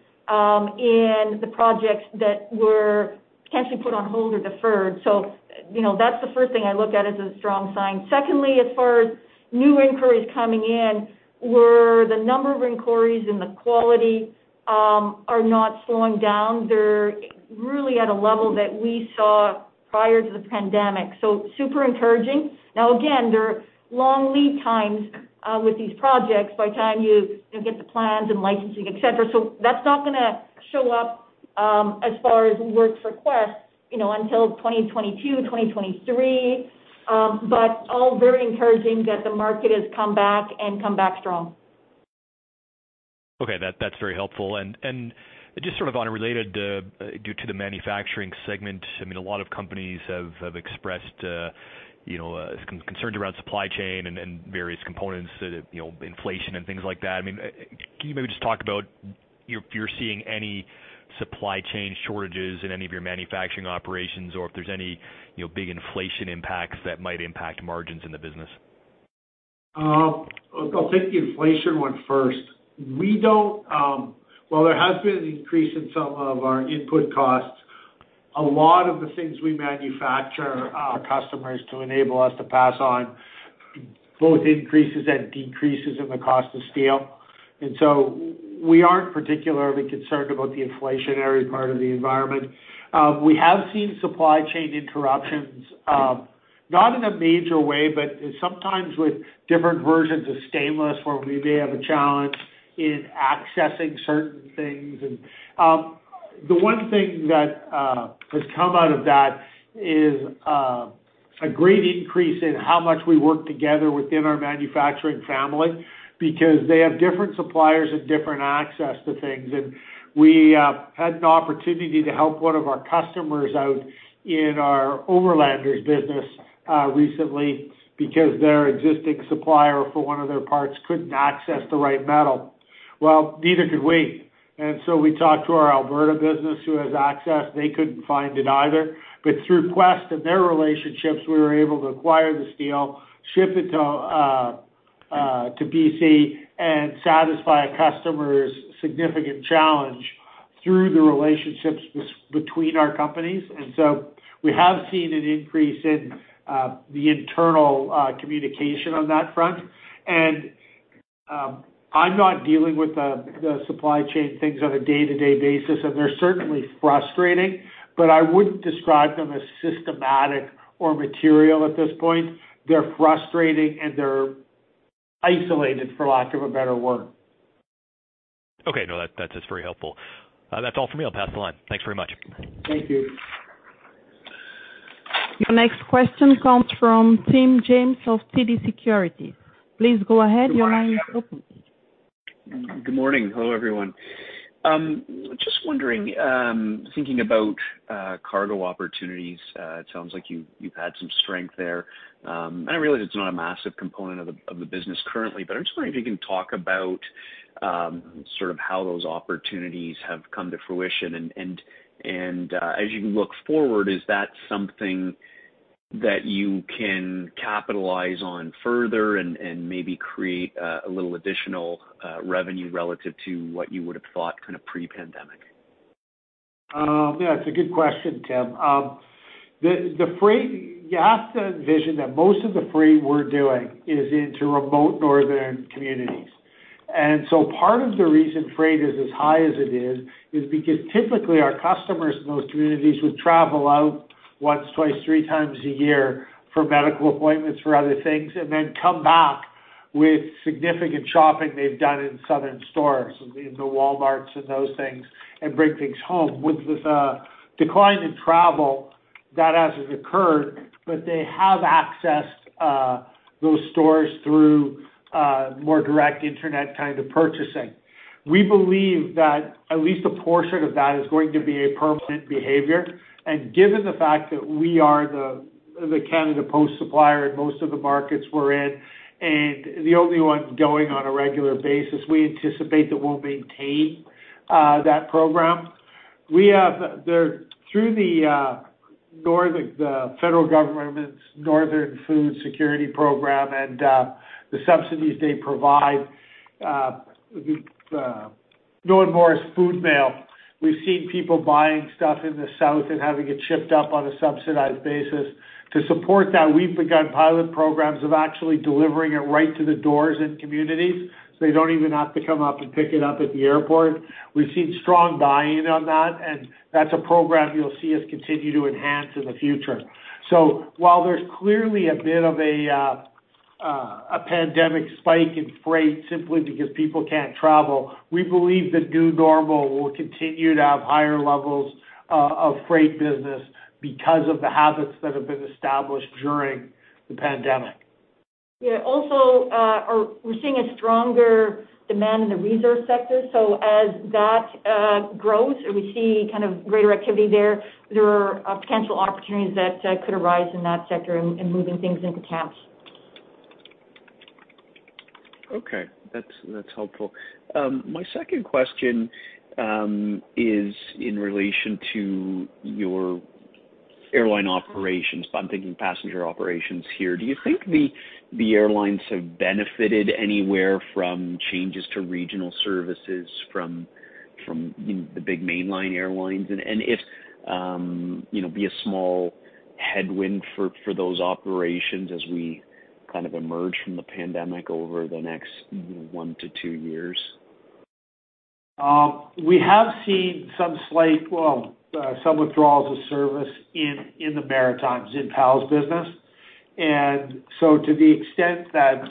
in the projects that were potentially put on hold or deferred. That's the first thing I look at as a strong sign. Secondly, as far as new inquiries coming in, where the number of inquiries and the quality are not slowing down. They're really at a level that we saw prior to the pandemic, so super encouraging. Again, there are long lead times with these projects by the time you get the plans and licensing, et cetera. That's not going to show up as far as works for Quest until 2022, 2023. All very encouraging that the market has come back and come back strong. Okay. That's very helpful. Just sort of unrelated to the manufacturing segment, a lot of companies have expressed concerns around supply chain and various components, inflation, and things like that. Can you maybe just talk about if you're seeing any supply chain shortages in any of your manufacturing operations, or if there's any big inflation impacts that might impact margins in the business? I'll take the inflation one first. While there has been an increase in some of our input costs, a lot of the things we manufacture, our customers to enable us to pass on both increases and decreases in the cost of steel. So we aren't particularly concerned about the inflationary part of the environment. We have seen supply chain interruptions, not in a major way, but sometimes with different versions of stainless, where we may have a challenge in accessing certain things. The one thing that has come out of that is a great increase in how much we work together within our manufacturing family, because they have different suppliers and different access to things. We had an opportunity to help one of our customers out in our Overlanders business recently because their existing supplier for one of their parts couldn't access the right metal. Well, neither could we, and so we talked to our Alberta business who has access. They couldn't find it either. Through Quest and their relationships, we were able to acquire the steel, ship it to BC, and satisfy a customer's significant challenge through the relationships between our companies. We have seen an increase in the internal communication on that front. I'm not dealing with the supply chain things on a day-to-day basis, and they're certainly frustrating, but I wouldn't describe them as systematic or material at this point. They're frustrating, and they're isolated, for lack of a better word. Okay. No, that's very helpful. That's all for me. I'll pass it along. Thanks very much. Thank you. Your next question comes from Tim James of TD Securities. Please go ahead. Your line is open. Good morning. Hello, everyone. Just wondering, thinking about cargo opportunities, it sounds like you've had some strength there. I realize it's not a massive component of the business currently, but I was wondering if you can talk about how those opportunities have come to fruition. As you look forward, is that something that you can capitalize on further and maybe create a little additional revenue relative to what you would have thought kind of pre-pandemic? Yeah, it's a good question, Tim. You have to envision that most of the freight we're doing is into remote northern communities. Part of the reason freight is as high as it is because typically our customers in those communities would travel out once, twice, three times a year for medical appointments or other things, and then come back with significant shopping they've done in southern stores, in the Walmarts and those things, and bring things home. With the decline in travel, that hasn't occurred, but they have accessed those stores through more direct internet kinds of purchasing. We believe that at least a portion of that is going to be a permanent behavior, and given the fact that we are the Canada Post supplier in most of the markets we're in, and the only one going on a regular basis, we anticipate that we'll maintain that program. Through the federal government's Northern Food Security program and the subsidies they provide, the North Morris Food Mail, we've seen people buying stuff in the south and having it shipped up on a subsidized basis. To support that, we've begun pilot programs of actually delivering it right to the doors in communities, so they don't even have to come up and pick it up at the airport. We've seen strong buy-in on that, and that's a program you'll see us continue to enhance in the future. While there's clearly a bit of a pandemic spike in freight simply because people can't travel. We believe the new normal will continue to have higher levels of freight business because of the habits that have been established during the pandemic. Yeah. Also, we're seeing a stronger demand in the resource sector. As that grows and we see greater activity there are potential opportunities that could arise in that sector in moving things into camps. Okay. That's helpful. My second question is in relation to your airline operations. I'm thinking passenger operations here. Do you think the airlines have benefited anywhere from changes to regional services from the big mainline airlines? If, be a small headwind for those operations as we kind of emerge from the pandemic over the next one to two years? We have seen some withdrawals of service in the Maritimes, in PAL's business. To the extent that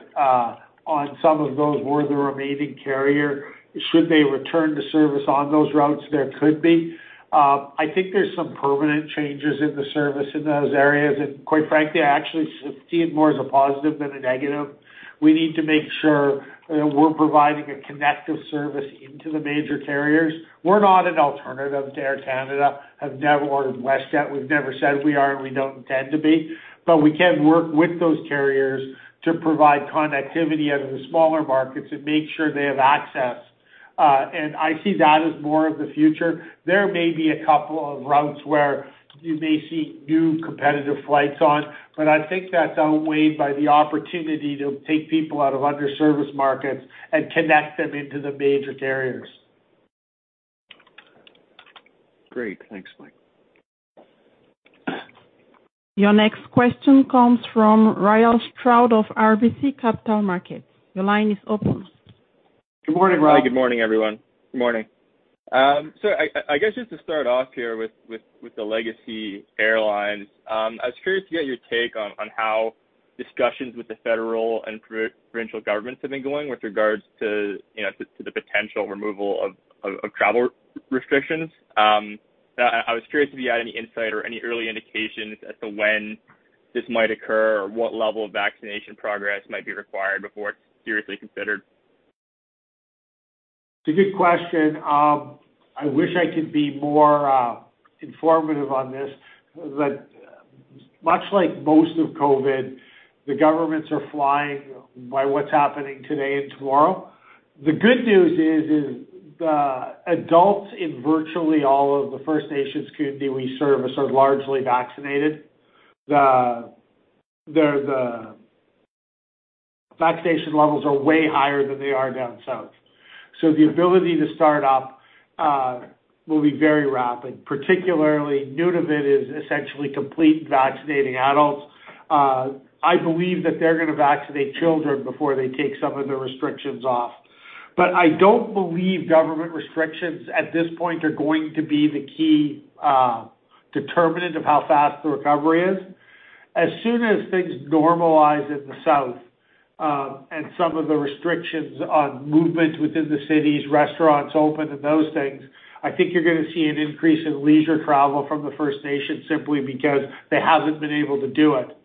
on some of those we're the remaining carrier, should they return to service on those routes, there could be. I think there's some permanent changes in the service in those areas. Quite frankly, I actually see it more as a positive than a negative. We need to make sure that we're providing a connective service into the major carriers. We're not an alternative to Air Canada, have never or WestJet. We've never said we are. We don't intend to be. We can work with those carriers to provide connectivity out of the smaller markets and make sure they have access. I see that as more of the future. There may be a couple of routes where you may see new competitive flights on, but I think that's outweighed by the opportunity to take people out of under-service markets and connect them into the major carriers. Great. Thanks, Mike. Your next question comes from Ryall Stroud of RBC Capital Markets. Your line is open. Good morning, Ryall. Hi, good morning, everyone. Good morning. I guess just to start off here with the Legacy Airlines, I was curious to get your take on how discussions with the federal and provincial governments have been going with regards to the potential removal of travel restrictions. I was curious if you had any insight or any early indications as to when this might occur or what level of vaccination progress might be required before it's seriously considered. It's a good question. I wish I could be more informative on this. Much like most of COVID, the governments are flying by what's happening today and tomorrow. The good news is the adults in virtually all of the First Nations community we service are largely vaccinated. The vaccination levels are way higher than they are down south. The ability to start up will be very rapid. Particularly, Nunavut is essentially complete vaccinating adults. I believe that they're going to vaccinate children before they take some of the restrictions off. I don't believe government restrictions at this point are going to be the key determinant of how fast the recovery is. As soon as things normalize in the south, and some of the restrictions on movement within the cities, restaurants open and those things, I think you're going to see an increase in leisure travel from the First Nations simply because they haven't been able to do it.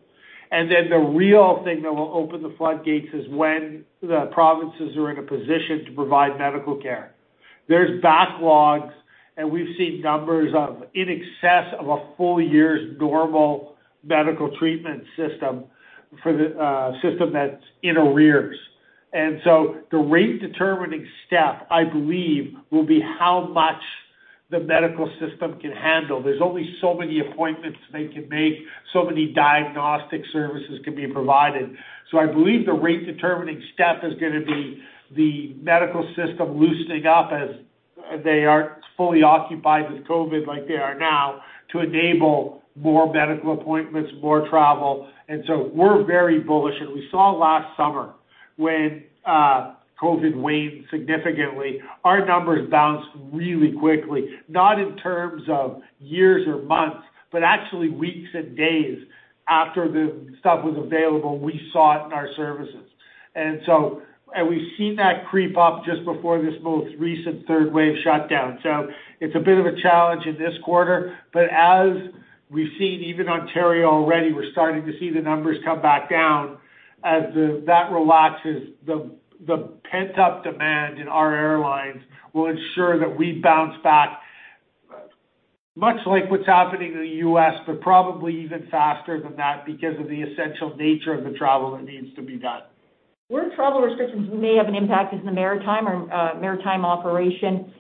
Then the real thing that will open the floodgates is when the provinces are in a position to provide medical care. There's backlogs, and we've seen numbers of in excess of a full year's normal medical treatment system that's in arrears. So the rate-determining step, I believe, will be how much the medical system can handle. There's only so many appointments they can make, so many diagnostic services can be provided. I believe the rate-determining step is going to be the medical system loosening up as they aren't fully occupied with COVID like they are now, to enable more medical appointments, more travel. We're very bullish. We saw last summer when COVID waned significantly, our numbers bounced really quickly. Not in terms of years or months, but actually weeks and days after the stuff was available, we saw it in our services. We've seen that creep up just before this most recent third-wave shutdown. It's a bit of a challenge in this quarter. As we've seen, even Ontario already, we're starting to see the numbers come back down. As that relaxes, the pent-up demand in our airlines will ensure that we bounce back much like what's happening in the U.S., but probably even faster than that because of the essential nature of the travel that needs to be done. Where travel restrictions may have an impact is in the Maritime operation.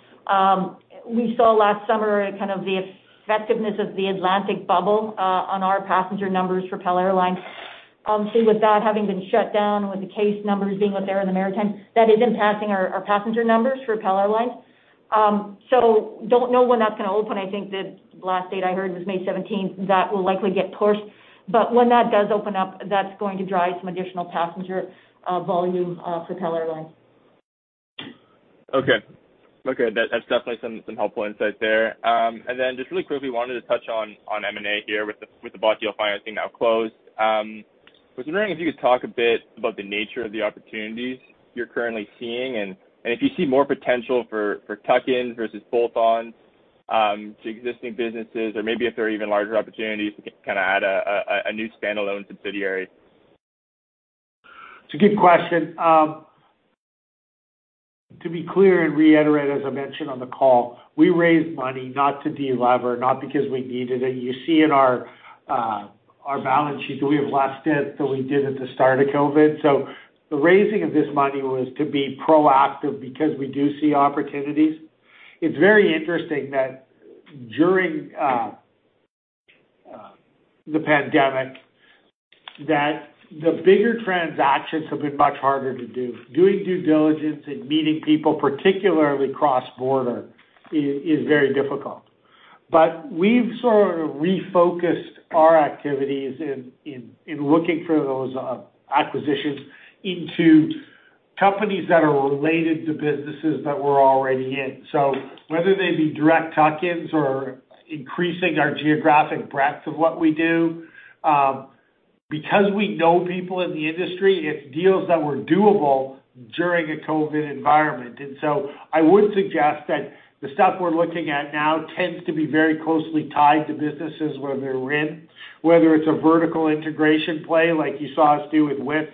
We saw last summer kind of the effectiveness of the Atlantic bubble on our passenger numbers for PAL Airlines. With that having been shut down, with the case numbers being what they are in the Maritime, that is impacting our passenger numbers for PAL Airlines. Don't know when that's going to open. I think the last date I heard was May 17th. That will likely get pushed. When that does open up, that's going to drive some additional passenger volume for PAL Airlines. Okay. That's definitely some helpful insights there. Then just really quickly wanted to touch on M&A here with the bought deal financing now closed. I was wondering if you could talk a bit about the nature of the opportunities you're currently seeing, and if you see more potential for tuck-ins versus bolt-ons to existing businesses or maybe if there are even larger opportunities to add a new standalone subsidiary. It's a good question. To be clear and reiterate, as I mentioned on the call, we raised money not to de-lever, not because we needed it. You see in our balance sheet that we have less debt than we did at the start of COVID. The raising of this money was to be proactive because we do see opportunities. It's very interesting that during the pandemic, that the bigger transactions have been much harder to do. Doing due diligence and meeting people, particularly cross-border, is very difficult. We've sort of refocused our activities in looking for those acquisitions into companies that are related to businesses that we're already in. Whether they be direct tuck-ins or increasing our geographic breadth of what we do, because we know people in the industry, it's deals that were doable during a COVID environment. I would suggest that the stuff we're looking at now tends to be very closely tied to businesses where they're in, whether it's a vertical integration play like you saw us do with WIS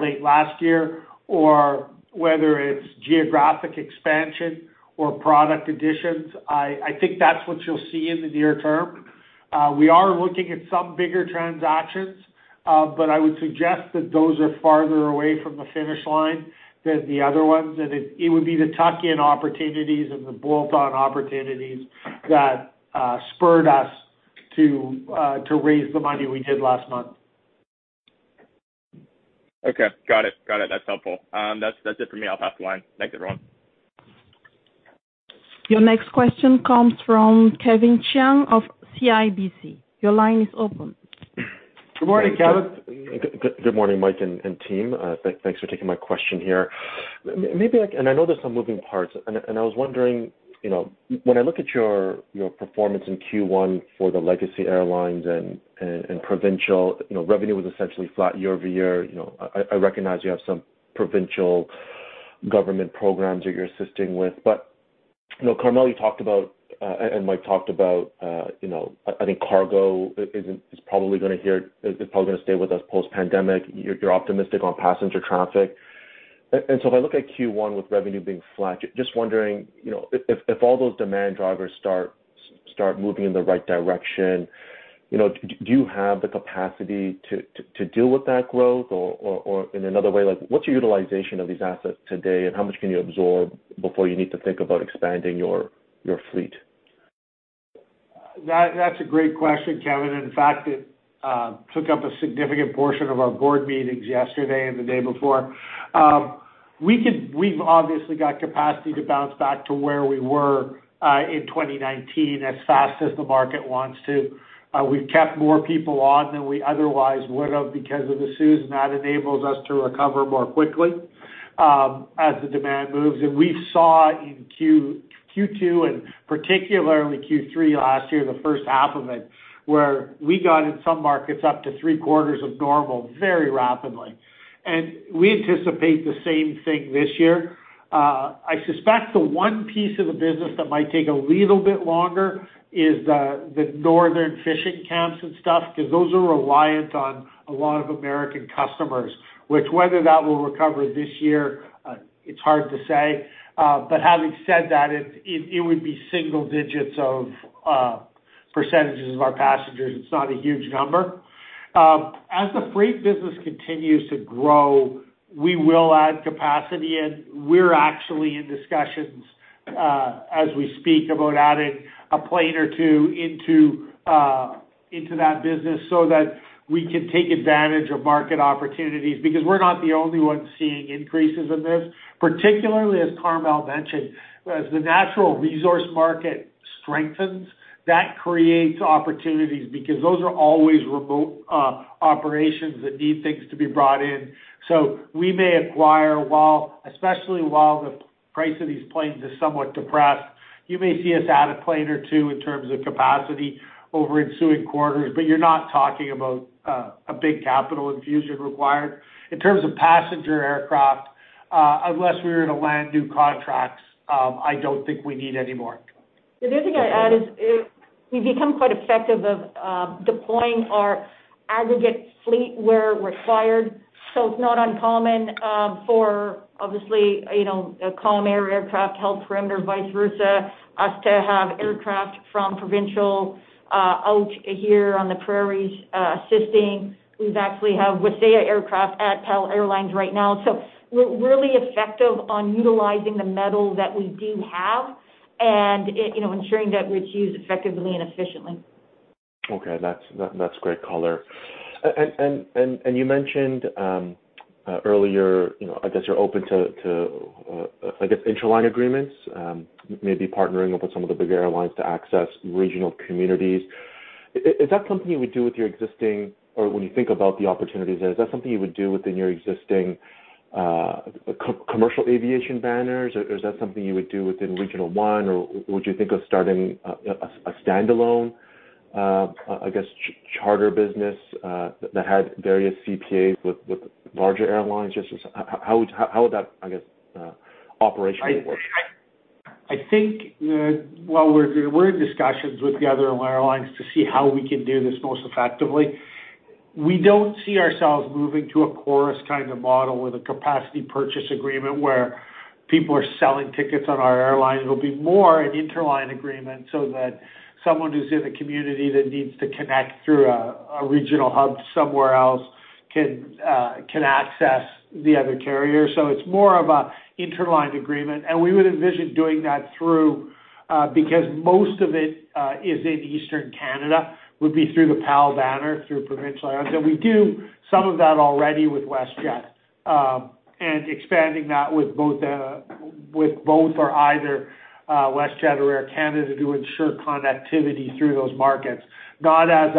late last year, or whether it's geographic expansion or product additions. I think that's what you'll see in the near term. We are looking at some bigger transactions, but I would suggest that those are farther away from the finish line than the other ones. It would be the tuck-in opportunities and the bolt-on opportunities that spurred us to raise the money we did last month. Okay. Got it. That's helpful. That's it for me. I'll pass the line. Thanks, everyone. Your next question comes from Kevin Chiang of CIBC. Your line is open. Good morning, Kevin. Good morning, Mike and team. Thanks for taking my question here. I know there's some moving parts, and I was wondering, when I look at your performance in Q1 for the Legacy Airlines and Provincial, revenue was essentially flat year-over-year. I recognize you have some provincial government programs that you're assisting with, Carmele talked about, and Mike talked about, I think cargo is probably going to stay with us post-pandemic. You're optimistic on passenger traffic. If I look at Q1 with revenue being flat, just wondering, if all those demand drivers start moving in the right direction, do you have the capacity to deal with that growth? In another way, what's your utilization of these assets today, and how much can you absorb before you need to think about expanding your fleet? That's a great question, Kevin. In fact, it took up a significant portion of our board meetings yesterday and the day before. We've obviously got capacity to bounce back to where we were in 2019 as fast as the market wants to. We've kept more people on than we otherwise would have because of the CEWS, that enables us to recover more quickly as the demand moves. We saw in Q2 and particularly Q3 last year, the first half of it, where we got in some markets up to three-quarters of normal very rapidly. We anticipate the same thing this year. I suspect the one piece of the business that might take a little bit longer is the northern fishing camps and stuff, because those are reliant on a lot of American customers, which whether that will recover this year, it's hard to say. Having said that, it would be single digits of percentages of our passengers. It's not a huge number. As the freight business continues to grow, we will add capacity in. We're actually in discussions as we speak about adding a plane or two into that business so that we can take advantage of market opportunities because we're not the only ones seeing increases in this. Particularly as Carmele mentioned, as the natural resource market strengthens, that creates opportunities because those are always remote operations that need things to be brought in. We may acquire, especially while the price of these planes is somewhat depressed, you may see us add a plane or two in terms of capacity over ensuing quarters, you're not talking about a big capital infusion required. In terms of passenger aircraft, unless we were to land new contracts, I don't think we need any more. The other thing I'd add is we've become quite effective of deploying our aggregate fleet where required. It's not uncommon for, obviously, a Calm Air aircraft help Perimeter, vice versa, us to have aircraft from Provincial out here on the prairies assisting. We actually have Wasaya aircraft at PAL Airlines right now. We're really effective on utilizing the metal that we do have and ensuring that it's used effectively and efficiently. Okay. That's great color. You mentioned earlier, I guess you're open to interline agreements, maybe partnering up with some of the bigger airlines to access regional communities. Is that something you would do with your existing, or when you think about the opportunities there, is that something you would do within your existing commercial aviation banners? Or is that something you would do within Regional One or would you think of starting a standalone, I guess, charter business that had various CPAs with larger airlines? Just how would that, I guess, operationally work? I think while we're in discussions with the other airlines to see how we can do this most effectively, we don't see ourselves moving to a Chorus kind of model with a capacity purchase agreement where people are selling tickets on our airlines. It'll be more an interline agreement so that someone who's in a community that needs to connect through a regional hub somewhere else can access the other carrier. It's more of an interline agreement, and we would envision doing that through, because most of it is in Eastern Canada, would be through the PAL banner, through Provincial Airlines. We do some of that already with WestJet, and expanding that with both or either WestJet or Air Canada to ensure connectivity through those markets, not as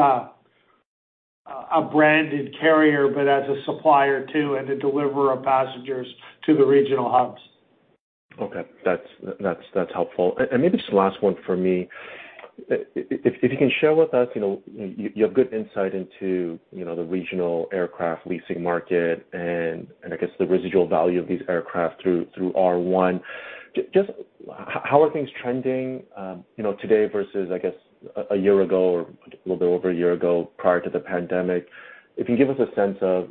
a branded carrier, but as a supplier too, and a deliverer of passengers to the regional hubs. Okay. That's helpful. Maybe just the last one for me. If you can share with us, you have good insight into the regional aircraft leasing market and I guess the residual value of these aircraft through R1. Just how are things trending today versus, I guess, a year ago or a little bit over a year ago prior to the pandemic? If you can give us a sense of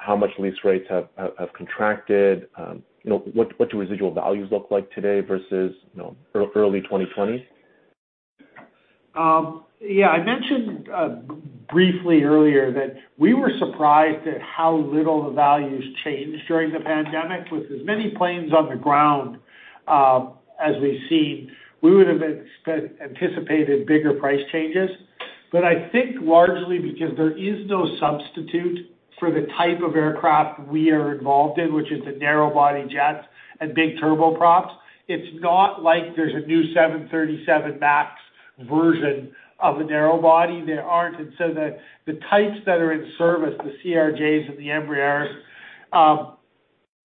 how much lease rates have contracted, what do residual values look like today versus early 2020? Yeah, I mentioned briefly earlier that we were surprised at how little the values changed during the pandemic. With as many planes on the ground as we've seen, we would've anticipated bigger price changes, but I think largely because there is no substitute for the type of aircraft we are involved in, which is the narrow-body jets and big turboprops. It's not like there's a new 737 MAX version of the narrow-body. There aren't, and so the types that are in service, the CRJs and the Embraers,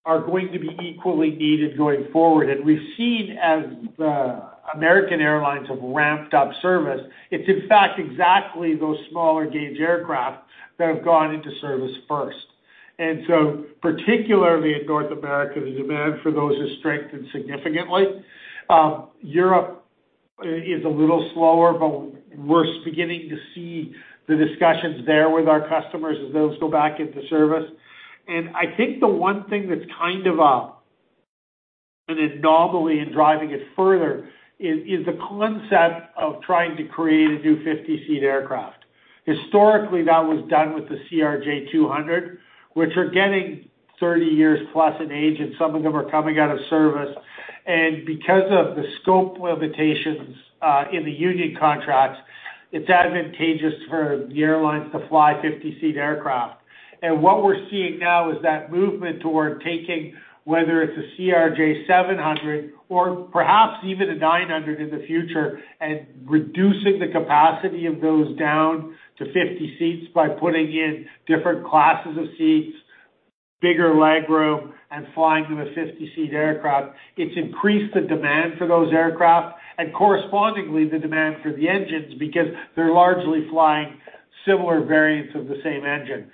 are going to be equally needed going forward. We've seen as the American airlines have ramped up service, it's in fact exactly those smaller gauge aircraft that have gone into service first. Particularly in North America, the demand for those has strengthened significantly. Europe is a little slower, but we're beginning to see the discussions there with our customers as those go back into service. I think the one thing that's kind of an anomaly in driving it further is the concept of trying to create a new 50-seat aircraft. Historically, that was done with the CRJ200, which are getting 30 years plus in age, and some of them are coming out of service. Because of the scope limitations in the union contracts, it's advantageous for the airlines to fly 50-seat aircraft. What we're seeing now is that movement toward taking, whether it's a CRJ700 or perhaps even a CRJ900 in the future, and reducing the capacity of those down to 50 seats by putting in different classes of seats, bigger leg room, and flying them a 50-seat aircraft. It's increased the demand for those aircraft and correspondingly the demand for the engines, because they're largely flying similar variants of the same engine.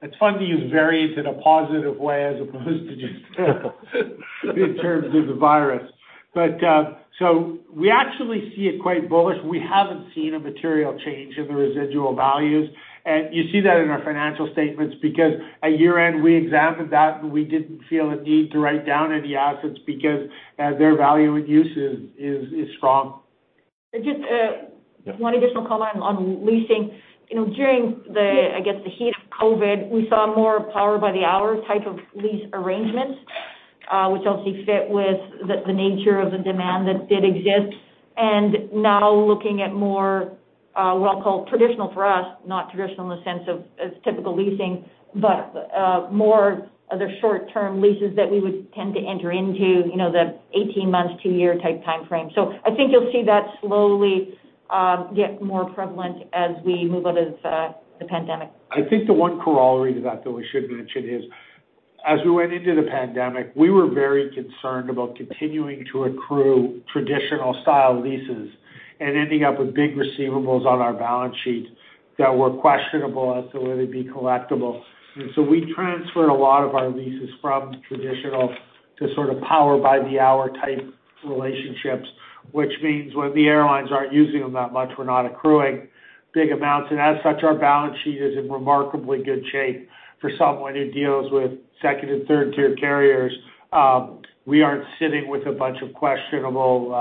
It's fun to use variants in a positive way as opposed to in terms of the virus. We actually see it quite bullish. We haven't seen a material change in the residual values, and you see that in our financial statements because at year-end we examined that, and we didn't feel a need to write down any assets because their value and use is strong. Just one additional comment on leasing. During the, I guess, the heat of COVID, we saw more power-by-the-hour type of lease arrangements, which obviously fit with the nature of the demand that did exist. Now looking at more, we'll call traditional for us, not traditional in the sense of as typical leasing, but more other short-term leases that we would tend to enter into, the 18 months, two year type timeframe. I think you'll see that slowly get more prevalent as we move out of the pandemic. I think the one corollary to that, though, we should mention is as we went into the pandemic, we were very concerned about continuing to accrue traditional style leases and ending up with big receivables on our balance sheet that were questionable as to whether it be collectible. So, we transferred a lot of our leases from traditional to power-by-the-hour type relationships, which means when the airlines aren't using them that much, we're not accruing big amounts, and as such, our balance sheet is in remarkably good shape for someone who deals with second and third tier carriers. We aren't sitting with a bunch of questionable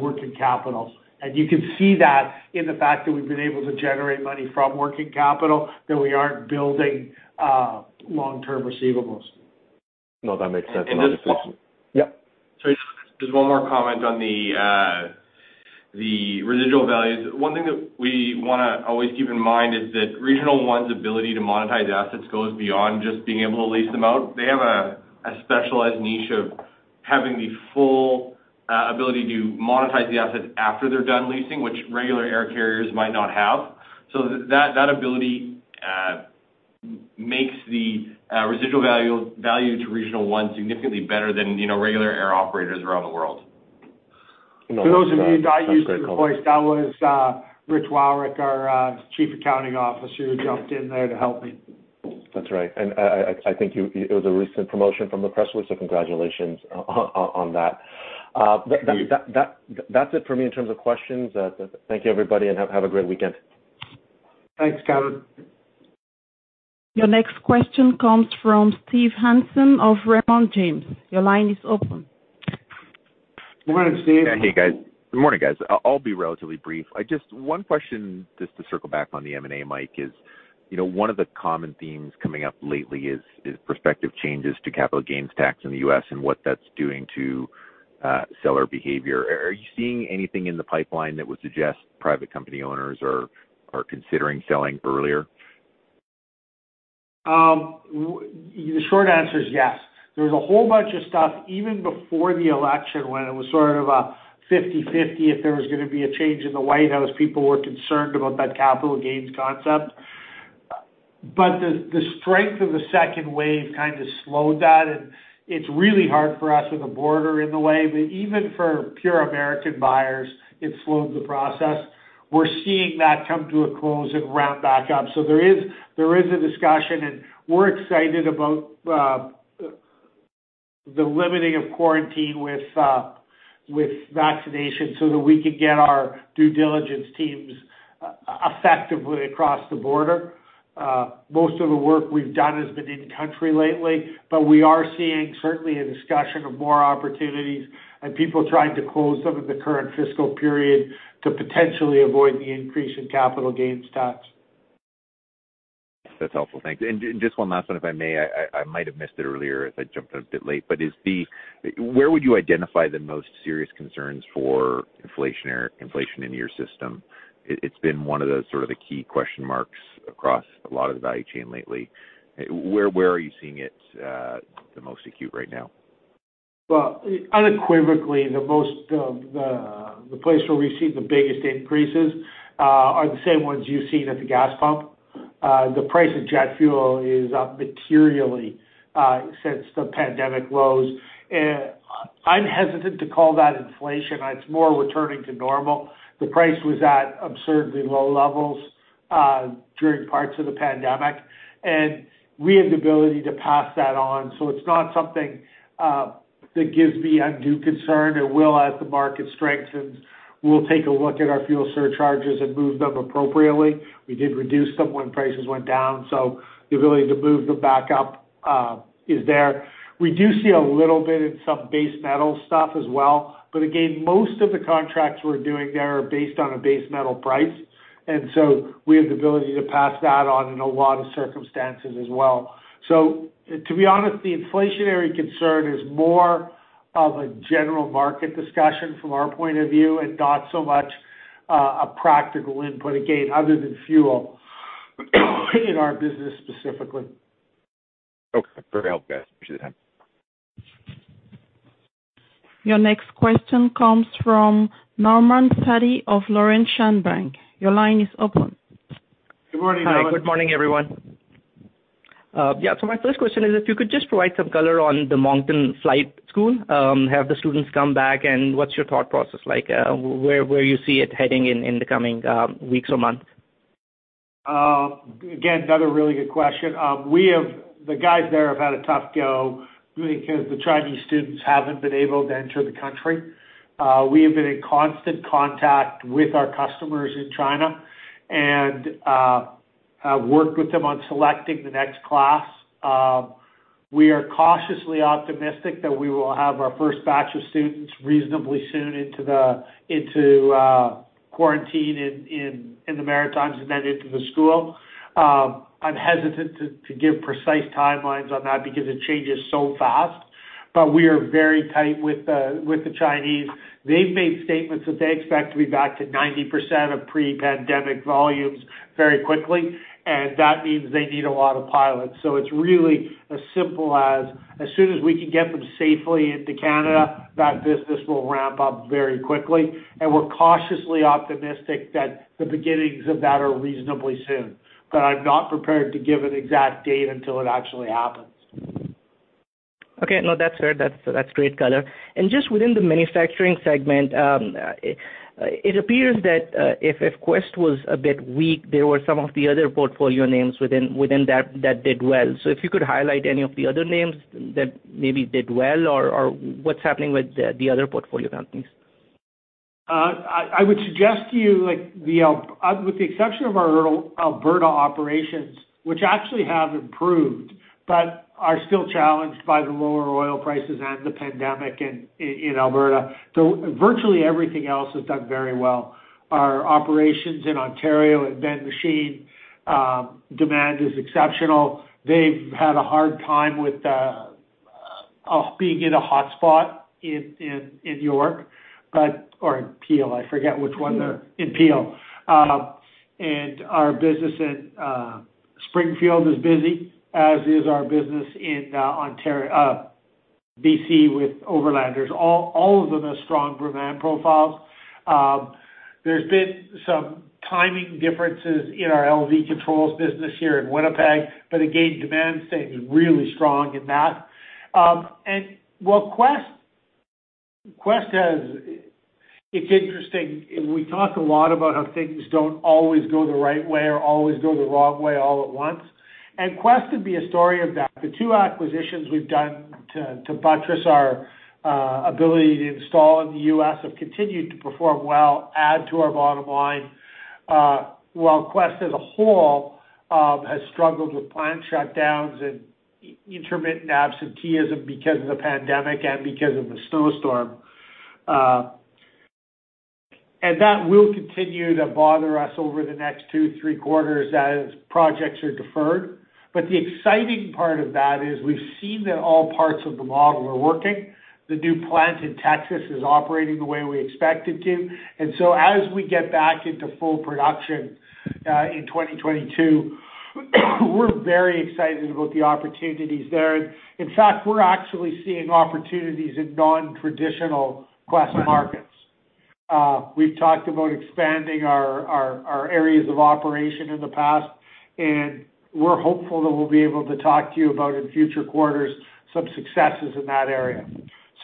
working capital. You can see that in the fact that we've been able to generate money from working capital, that we aren't building long-term receivables. No, that makes sense. And just- Yeah. Sorry. Just one more comment on the residual values. One thing that we want to always keep in mind is that Regional One's ability to monetize assets goes beyond just being able to lease them out. They have a specialized niche of having the full ability to monetize the assets after they're done leasing, which regular air carriers might not have. That ability makes the residual value to Regional One significantly better than regular air operators around the world. For those of you that I used the voice, that was Rich Wowryk, our Chief Accounting Officer, who jumped in there to help me. That's right. I think it was a recent promotion from the press release, so congratulations on that. Thank you. That's it for me in terms of questions. Thank you, everybody, and have a great weekend. Thanks, Kevin. Your next question comes from Steve Hansen of Raymond James. Your line is open. Good morning, Steve. Hey, guys. Good morning, guys. I'll be relatively brief. Just one question, just to circle back on the M&A, Mike, is one of the common themes coming up lately is prospective changes to capital gains tax in the U.S. and what that's doing to seller behavior. Are you seeing anything in the pipeline that would suggest private company owners are considering selling earlier? The short answer is yes. There's a whole bunch of stuff, even before the election, when it was sort of a 50/50 if there was going to be a change in the White House. People were concerned about that capital gains concept. The strength of the second wave kind of slowed that, and it's really hard for us with the border in the way. Even for pure American buyers, it slowed the process. We're seeing that come to a close and ramp back up. There is a discussion, and we're excited about the limiting of quarantine with vaccination so that we can get our due diligence teams effectively across the border. Most of the work we've done has been in-country lately, but we are seeing certainly a discussion of more opportunities and people trying to close some of the current fiscal period to potentially avoid the increase in capital gains tax. That's helpful, thanks. Just one last one, if I may. I might have missed it earlier, as I jumped on a bit late. Where would you identify the most serious concerns for inflation in your system? It's been one of the key question marks across a lot of the value chain lately. Where are you seeing it the most acute right now? Well, unequivocally, the place where we've seen the biggest increases are the same ones you've seen at the gas pump. The price of jet fuel is up materially since the pandemic lows. I'm hesitant to call that inflation. It's more returning to normal. The price was at absurdly low levels during parts of the pandemic, and we have the ability to pass that on. It's not something that gives me undue concern. It will as the market strengthens. We'll take a look at our fuel surcharges and move them appropriately. We did reduce them when prices went down, so the ability to move them back up is there. We do see a little bit in some base metal stuff as well. Again, most of the contracts we're doing there are based on a base metal price, and so we have the ability to pass that on in a lot of circumstances as well. To be honest, the inflationary concern is more of a general market discussion from our point of view and not so much a practical input, again, other than fuel in our business specifically. Okay. Very helpful, guys. Appreciate the time. Your next question comes from Norman Patti of Laurentian Bank. Your line is open. Good morning, Norman. Hi. Good morning, everyone. Yeah. My first question is if you could just provide some color on the Moncton Flight College. Have the students come back, and what's your thought process like? Where you see it heading in the coming weeks or months? Again, another really good question. The guys there have had a tough go because the Chinese students haven't been able to enter the country. We have been in constant contact with our customers in China and worked with them on selecting the next class. We are cautiously optimistic that we will have our first batch of students reasonably soon into quarantine in the Maritimes and then into the school. I'm hesitant to give precise timelines on that because it changes so fast. We are very tight with the Chinese. They've made statements that they expect to be back to 90% of pre-pandemic volumes very quickly, and that means they need a lot of pilots. It's really as simple as soon as we can get them safely into Canada, that business will ramp up very quickly. We're cautiously optimistic that the beginnings of that are reasonably soon. I'm not prepared to give an exact date until it actually happens. Okay. No, that's fair. That's great color. Just within the manufacturing segment, it appears that if Quest was a bit weak, there were some of the other portfolio names within that did well. If you could highlight any of the other names that maybe did well or what's happening with the other portfolio companies? I would suggest to you, with the exception of our Alberta operations, which actually have improved but are still challenged by the lower oil prices and the pandemic in Alberta. Virtually everything else has done very well. Our operations in Ontario at Ben Machine, demand is exceptional. They've had a hard time with being in a hotspot in York, or in Peel, in Peel. Our business in Springfield is busy, as is our business in B.C. with Overlanders. All of them have strong demand profiles. There's been some timing differences in our LV Controls business here in Winnipeg, again, demand staying really strong in that. Quest, it's interesting. We talk a lot about how things don't always go the right way or always go the wrong way all at once. Quest would be a story of that. The two acquisitions we've done to buttress our ability to install in the U.S. have continued to perform well, add to our bottom line, while Quest as a whole has struggled with plant shutdowns and intermittent absenteeism because of the pandemic and because of the snowstorm. That will continue to bother us over the next two, three quarters as projects are deferred. The exciting part of that is we've seen that all parts of the model are working. The new plant in Texas is operating the way we expect it to. As we get back into full production in 2022, we're very excited about the opportunities there. In fact, we're actually seeing opportunities in non-traditional Quest markets. We've talked about expanding our areas of operation in the past, and we're hopeful that we'll be able to talk to you about, in future quarters, some successes in that area.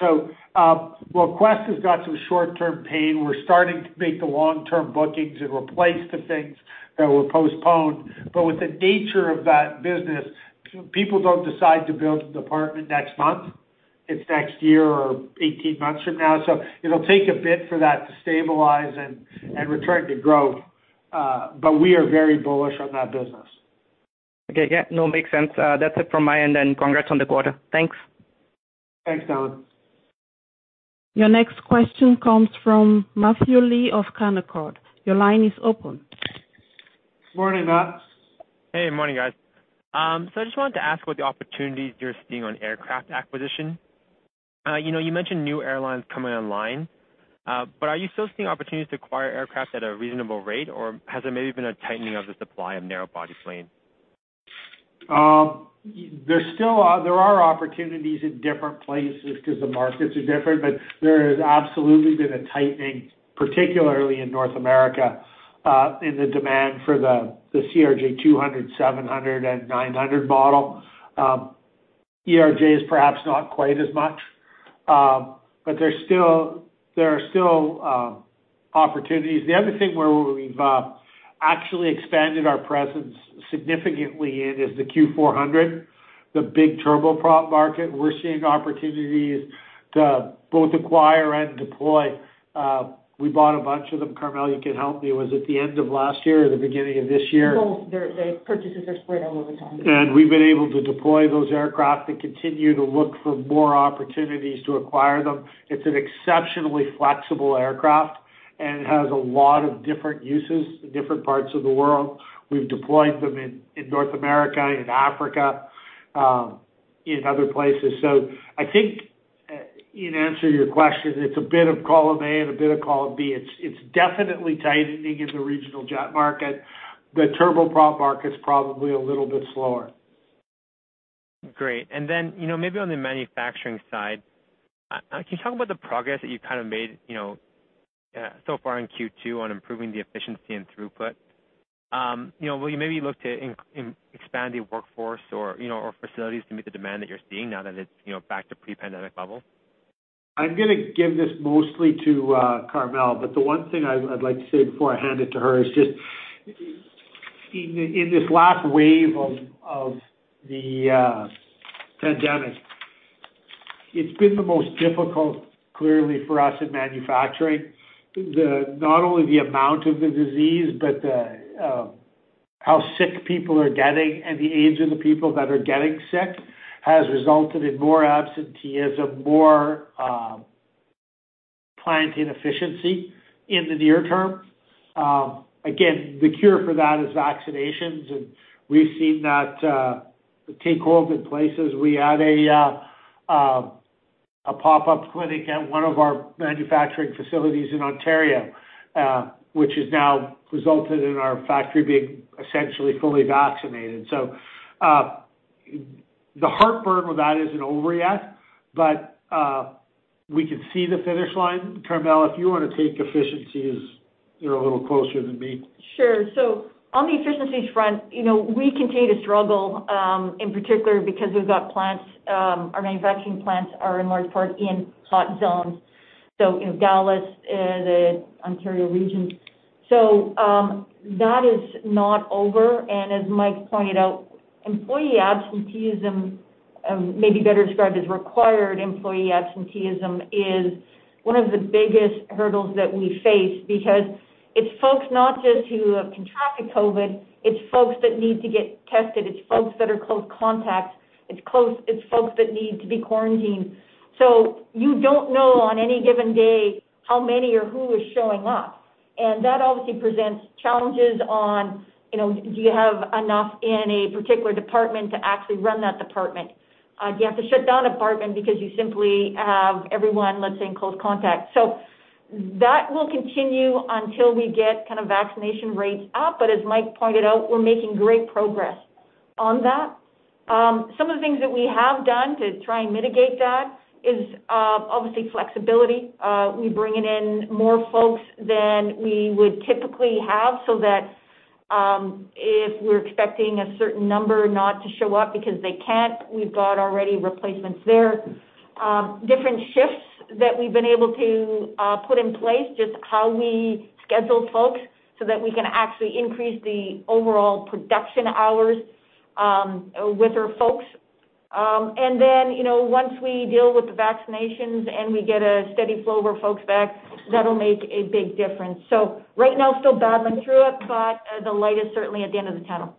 While Quest has got some short-term pain, we're starting to make the long-term bookings and replace the things that were postponed. With the nature of that business, people don't decide to build a department next month. It's next year or 18 months from now. It'll take a bit for that to stabilize and return to growth. We are very bullish on that business. Okay. Yeah, no, makes sense. That's it from my end then. Congrats on the quarter. Thanks. Thanks, Norman Patti. Your next question comes from Matthew Lee of Canaccord. Your line is open. Morning, Matt. Hey, morning guys. I just wanted to ask what the opportunities you're seeing on aircraft acquisition. You mentioned new airlines coming online, are you still seeing opportunities to acquire aircraft at a reasonable rate, or has there maybe been a tightening of the supply of narrow-body planes? There are opportunities in different places because the markets are different, but there has absolutely been a tightening, particularly in North America, in the demand for the CRJ200, CRJ700, and CRJ900 model. ERJ is perhaps not quite as much, but there are still opportunities. The other thing where we've actually expanded our presence significantly in is the Q400, the big turboprop market. We're seeing opportunities to both acquire and deploy. We bought a bunch of them. Carmele can help me. It was at the end of last year or the beginning of this year. Both. The purchases are spread out over time. We've been able to deploy those aircraft and continue to look for more opportunities to acquire them. It's an exceptionally flexible aircraft, and it has a lot of different uses in different parts of the world. We've deployed them in North America, in Africa, in other places. I think in answer to your question, it's a bit of column A and a bit of column B. It's definitely tightening in the regional jet market. The turboprop market's probably a little bit slower. Great. Maybe on the manufacturing side, can you talk about the progress that you've made so far in Q2 on improving the efficiency and throughput? Will you maybe look to expand the workforce or facilities to meet the demand that you're seeing now that it's back to pre-pandemic levels? I'm going to give this mostly to Carmele, but the one thing I'd like to say before I hand it to her is just, in this last wave of the pandemic, it's been the most difficult, clearly, for us in manufacturing. Not only the amount of the disease, but how sick people are getting, and the age of the people that are getting sick has resulted in more absenteeism, more plant inefficiency in the near term. Again, the cure for that is vaccinations, and we've seen that take hold in places. We had a pop-up clinic at one of our manufacturing facilities in Ontario, which has now resulted in our factory being essentially fully vaccinated. The heartburn with that isn't over yet, but we can see the finish line. Carmele, if you want to take efficiencies, you're a little closer than me. Sure. On the efficiencies front, we continue to struggle, in particular because we've got plants, our manufacturing plants are in large part in hot zones. In Dallas, the Ontario region. That is not over, and as Mike pointed out, employee absenteeism, maybe better described as required employee absenteeism, is one of the biggest hurdles that we face because it's folks not just who have contracted COVID. It's folks that need to get tested. It's folks that are close contacts. It's folks that need to be quarantined. You don't know on any given day how many or who is showing up. That obviously presents challenges on, do you have enough in a particular department to actually run that department? Do you have to shut down a department because you simply have everyone, let's say, in close contact? That will continue until we get vaccination rates up, but as Mike pointed out, we're making great progress on that. Some of the things that we have done to try and mitigate that is, obviously flexibility. We're bringing in more folks than we would typically have so that if we're expecting a certain number not to show up because they can't, we've got already replacements there. Different shifts that we've been able to put in place, just how we schedule folks so that we can actually increase the overall production hours with our folks. Once we deal with the vaccinations and we get a steady flow of our folks back, that'll make a big difference. Right now, still battling through it, but the light is certainly at the end of the tunnel.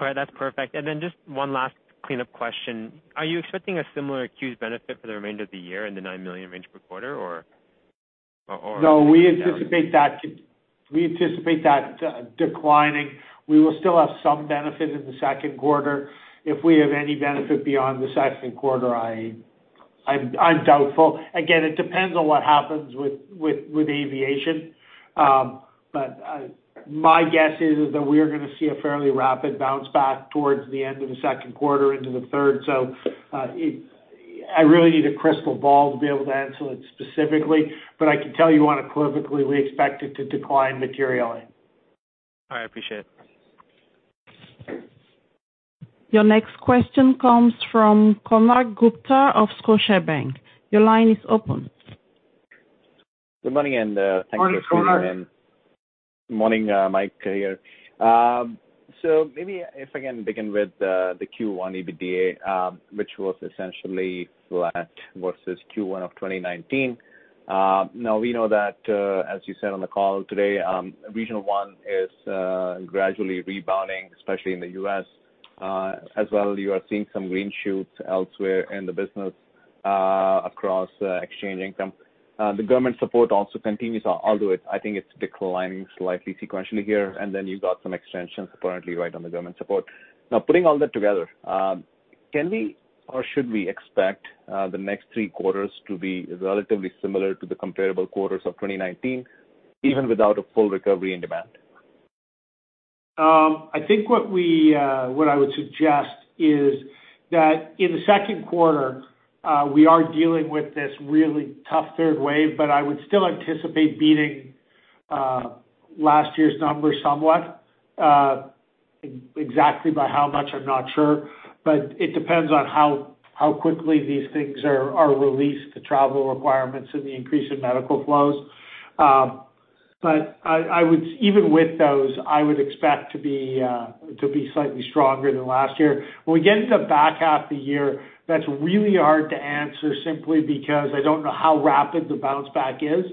All right. That's perfect. Just one last cleanup question. Are you expecting a similar CEWS benefit for the remainder of the year in the 9 million range per quarter? No, we anticipate that declining. We will still have some benefit in the second quarter. If we have any benefit beyond the second quarter, I'm doubtful. Again, it depends on what happens with aviation. My guess is that we are going to see a fairly rapid bounce back towards the end of the second quarter into the third. I really need a crystal ball to be able to answer it specifically, but I can tell you unequivocally we expect it to decline materially. All right. I appreciate it. Your next question comes from Konark Gupta of Scotiabank. Your line is open. Good morning, thanks for taking my-. Morning, Konark. Morning, Mike here. Maybe if I can begin with the Q1 EBITDA, which was essentially flat versus Q1 of 2019. We know that, as you said on the call today, Regional One is gradually rebounding, especially in the U.S. You are seeing some green shoots elsewhere in the business across Exchange Income. The government support also continues, although I think it's declining slightly sequentially here, and then you've got some extensions apparently right on the government support. Putting all that together, can we or should we expect the next three quarters to be relatively similar to the comparable quarters of 2019, even without a full recovery in demand? I think what I would suggest is that in the second quarter, we are dealing with this really tough third wave, but I would still anticipate beating last year's numbers somewhat. Exactly by how much, I'm not sure, but it depends on how quickly these things are released, the travel requirements and the increase in medical flows. Even with those, I would expect to be slightly stronger than last year. When we get into the back half of the year, that's really hard to answer simply because I don't know how rapid the bounce back is.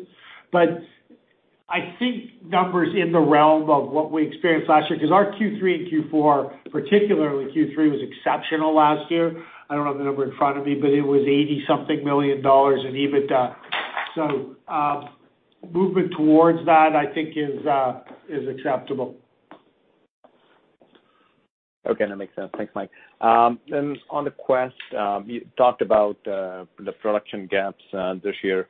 I think numbers in the realm of what we experienced last year, because our Q3 and Q4, particularly Q3, was exceptional last year. I don't have the number in front of me, but it was 80 something million in EBITDA. Movement towards that, I think, is acceptable. Okay, that makes sense. Thanks, Mike. On the Quest, you talked about the production gaps this year,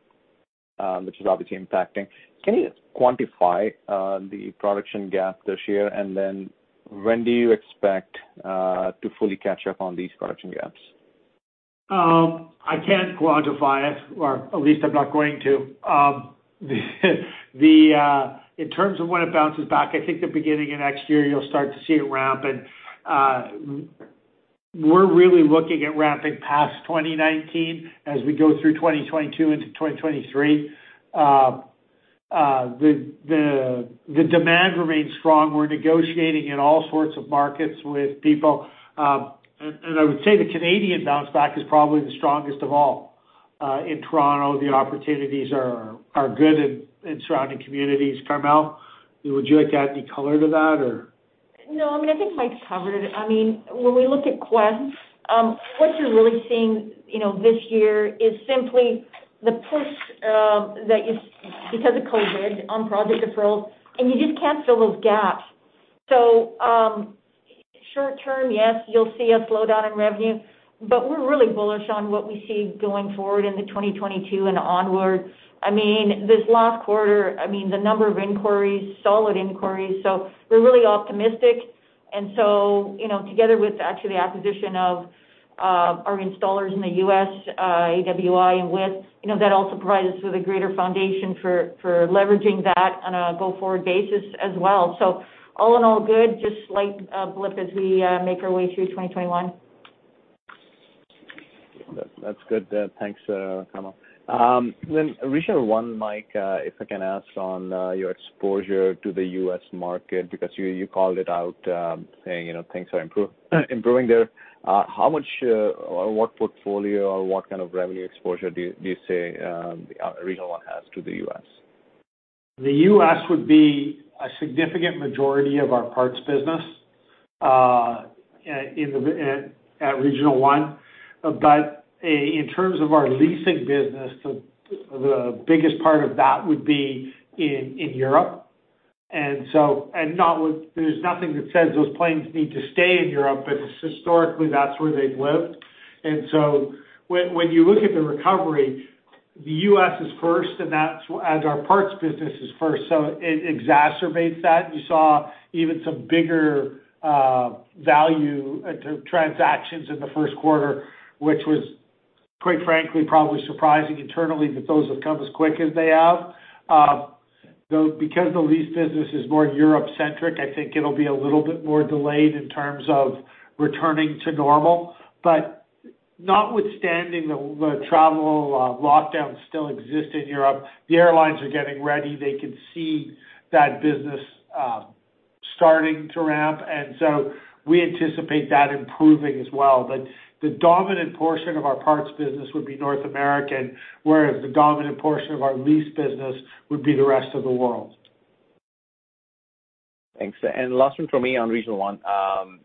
which is obviously impacting. Can you quantify the production gap this year, and then when do you expect to fully catch up on these production gaps? I can't quantify it, or at least I'm not going to. In terms of when it bounces back, I think the beginning of next year you'll start to see it ramping. We're really looking at ramping past 2019 as we go through 2022 into 2023. The demand remains strong. We're negotiating in all sorts of markets with people. I would say the Canadian bounce back is probably the strongest of all. In Toronto, the opportunities are good in surrounding communities. Carmele, would you like to add any color to that or? I think Mike covered it. When we look at Quest, what you're really seeing this year is simply the push that because of COVID on project deferrals, and you just can't fill those gaps. Short-term, yes, you'll see a slowdown in revenue, but we're really bullish on what we see going forward into 2022 and onwards. This last quarter, the number of inquiries, solid inquiries. We're really optimistic. Together with actually the acquisition of our installers in the U.S., AWI and WIS, that also provides us with a greater foundation for leveraging that on a go-forward basis as well. All in all good, just slight blip as we make our way through 2021. That's good. Thanks, Carmele. Regional One, Mike, if I can ask on your exposure to the U.S. market, because you called it out, saying things are improving there. What portfolio or what kind of revenue exposure do you say Regional One has to the U.S.? The U.S. would be a significant majority of our parts business at Regional One. In terms of our leasing business, the biggest part of that would be in Europe. So there's nothing that says those planes need to stay in Europe, but historically that's where they've lived. When you look at the recovery, the U.S. is first, and our parts business is first, so it exacerbates that. You saw even some bigger value transactions in the first quarter, which was, quite frankly, probably surprising internally that those have come as quick as they have. Though, because the lease business is more Europe-centric, I think it'll be a little bit more delayed in terms of returning to normal. Notwithstanding the travel lockdowns still exist in Europe, the airlines are getting ready. They can see that business starting to ramp, we anticipate that improving as well. The dominant portion of our parts business would be North American, whereas the dominant portion of our lease business would be the rest of the world. Thanks. Last one from me on Regional One. I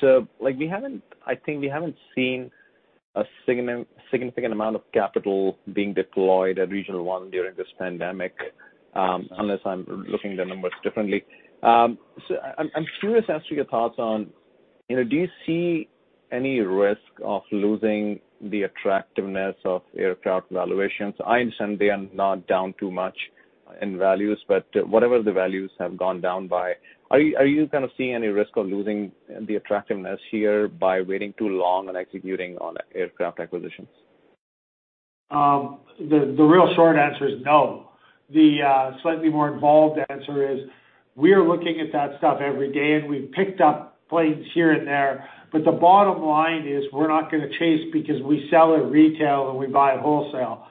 think we haven't seen a significant amount of capital being deployed at Regional One during this pandemic, unless I'm looking at the numbers differently. I'm curious as to your thoughts on, do you see any risk of losing the attractiveness of aircraft valuations? I understand they are not down too much in values, but whatever the values have gone down by, are you seeing any risk of losing the attractiveness here by waiting too long on executing on aircraft acquisitions? The real short answer is no. The slightly more involved answer is, we are looking at that stuff every day, and we've picked up planes here and there. The bottom line is, we're not going to chase because we sell at retail, and we buy wholesale.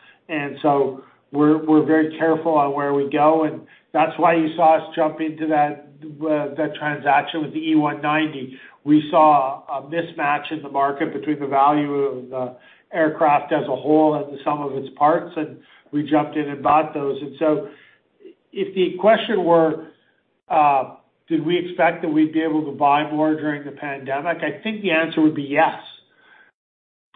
We're very careful on where we go, and that's why you saw us jump into that transaction with the E190. We saw a mismatch in the market between the value of the aircraft as a whole and the sum of its parts, and we jumped in and bought those. If the question were, did we expect that we'd be able to buy more during the pandemic? I think the answer would be yes.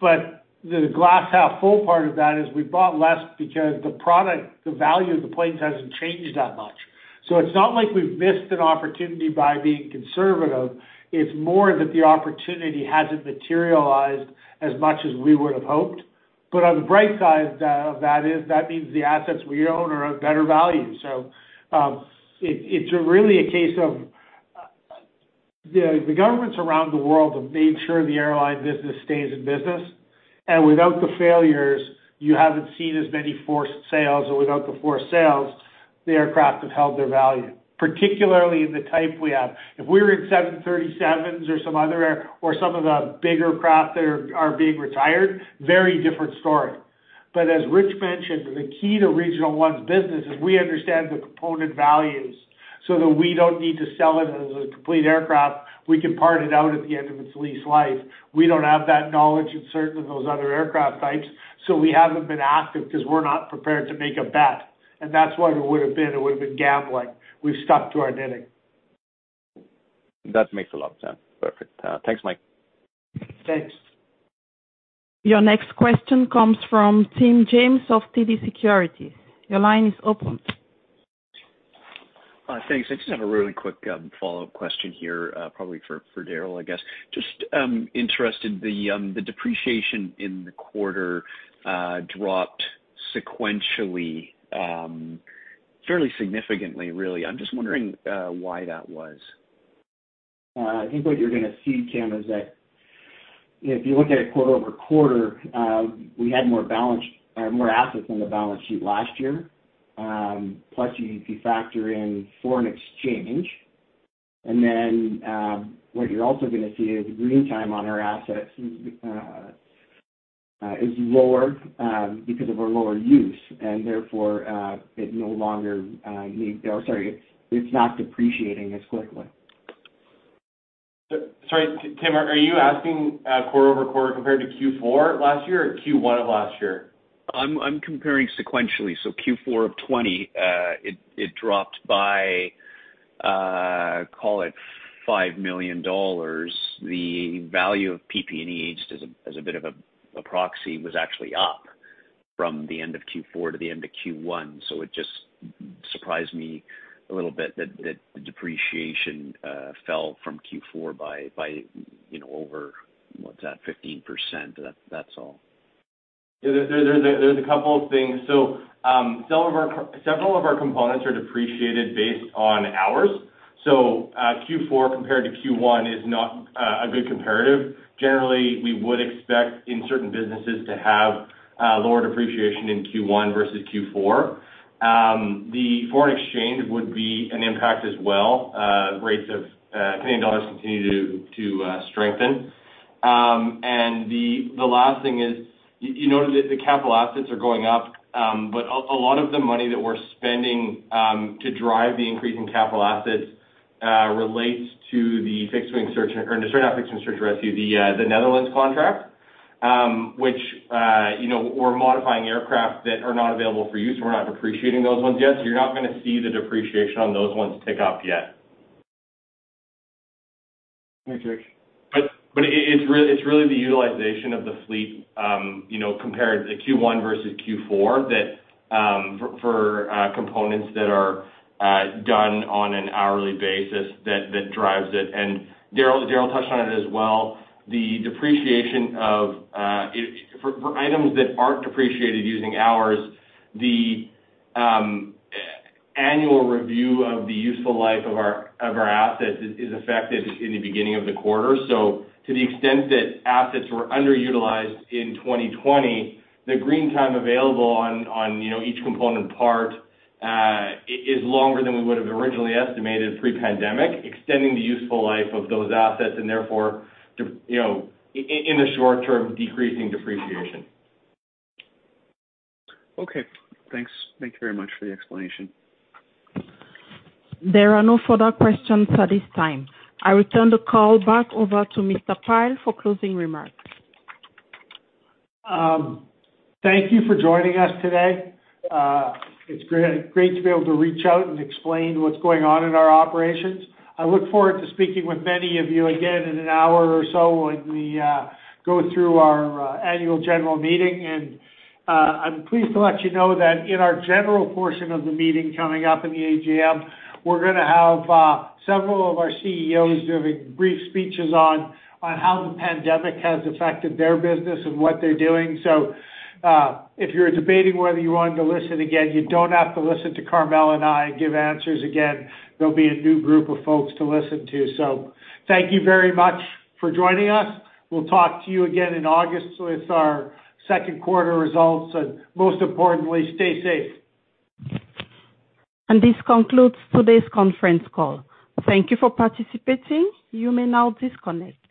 The glass half full part of that is we bought less because the value of the planes hasn't changed that much. It's not like we've missed an opportunity by being conservative. It's more that the opportunity hasn't materialized as much as we would've hoped. On the bright side of that is, that means the assets we own are of better value. It's really a case of the governments around the world have made sure the airline business stays in business. Without the failures, you haven't seen as many forced sales. Without the forced sales, the aircraft have held their value, particularly in the type we have. If we were in 737s or some of the bigger craft that are being retired, very different story. As Rich mentioned, the key to Regional One's business is we understand the component values so that we don't need to sell it as a complete aircraft. We can part it out at the end of its lease life. We don't have that knowledge in certain of those other aircraft types, so we haven't been active because we're not prepared to make a bet. That's what it would've been. It would've been gambling. We've stuck to our knitting. That makes a lot of sense. Perfect. Thanks, Mike. Thanks. Your next question comes from Tim James of TD Securities. Your line is open. Thanks. I just have a really quick follow-up question here, probably for Darryl, I guess. Just interested, the depreciation in the quarter dropped sequentially, fairly significantly, really. I'm just wondering why that was. I think what you're going to see, Tim, is that if you look at it quarter-over-quarter, we had more assets on the balance sheet last year. Plus, if you factor in foreign exchange, what you're also going to see is green time on our assets is lower because of our lower use, and therefore, it's not depreciating as quickly. Sorry, Tim, are you asking quarter-over-quarter compared to Q4 last year or Q1 of last year? I'm comparing sequentially, Q4 of 2020. It dropped by, call it 5 million dollars. The value of PP&E, just as a bit of a proxy, was actually up from the end of Q4 to the end of Q1. It just surprised me a little bit that the depreciation fell from Q4 by over, what's that, 15%? That's all. There's a couple of things. Several of our components are depreciated based on hours. Q4 compared to Q1 is not a good comparative. Generally, we would expect in certain businesses to have lower depreciation in Q1 versus Q4. The foreign exchange would be an impact as well. The rates of Canadian dollars continue to strengthen. The last thing is, you noted that the capital assets are going up, but a lot of the money that we're spending to drive the increase in capital assets relates to the search and rescue, the Netherlands contract, which we're modifying aircraft that are not available for use, so we're not depreciating those ones yet. You're not going to see the depreciation on those ones tick up yet. Thanks, Rich. It's really the utilization of the fleet compared to Q1 versus Q4 for components that are done on an hourly basis that drives it. Darryl touched on it as well, for items that aren't depreciated using hours, the annual review of the useful life of our assets is affected in the beginning of the quarter. To the extent that assets were underutilized in 2020, the green time available on each component part is longer than we would have originally estimated pre-pandemic, extending the useful life of those assets and therefore, in the short term, decreasing depreciation. Okay, thanks. Thank you very much for the explanation. There are no further questions at this time. I return the call back over to Mr. Pyle for closing remarks. Thank you for joining us today. It's great to be able to reach out and explain what's going on in our operations. I look forward to speaking with many of you again in an hour or so when we go through our annual general meeting. I'm pleased to let you know that in our general portion of the meeting coming up in the AGM, we're going to have several of our CEOs giving brief speeches on how the pandemic has affected their business and what they're doing. If you're debating whether you wanted to listen again, you don't have to listen to Carmele and I give answers again. There'll be a new group of folks to listen to. Thank you very much for joining us. We'll talk to you again in August with our second quarter results, and most importantly, stay safe. This concludes today's conference call. Thank you for participating. You may now disconnect.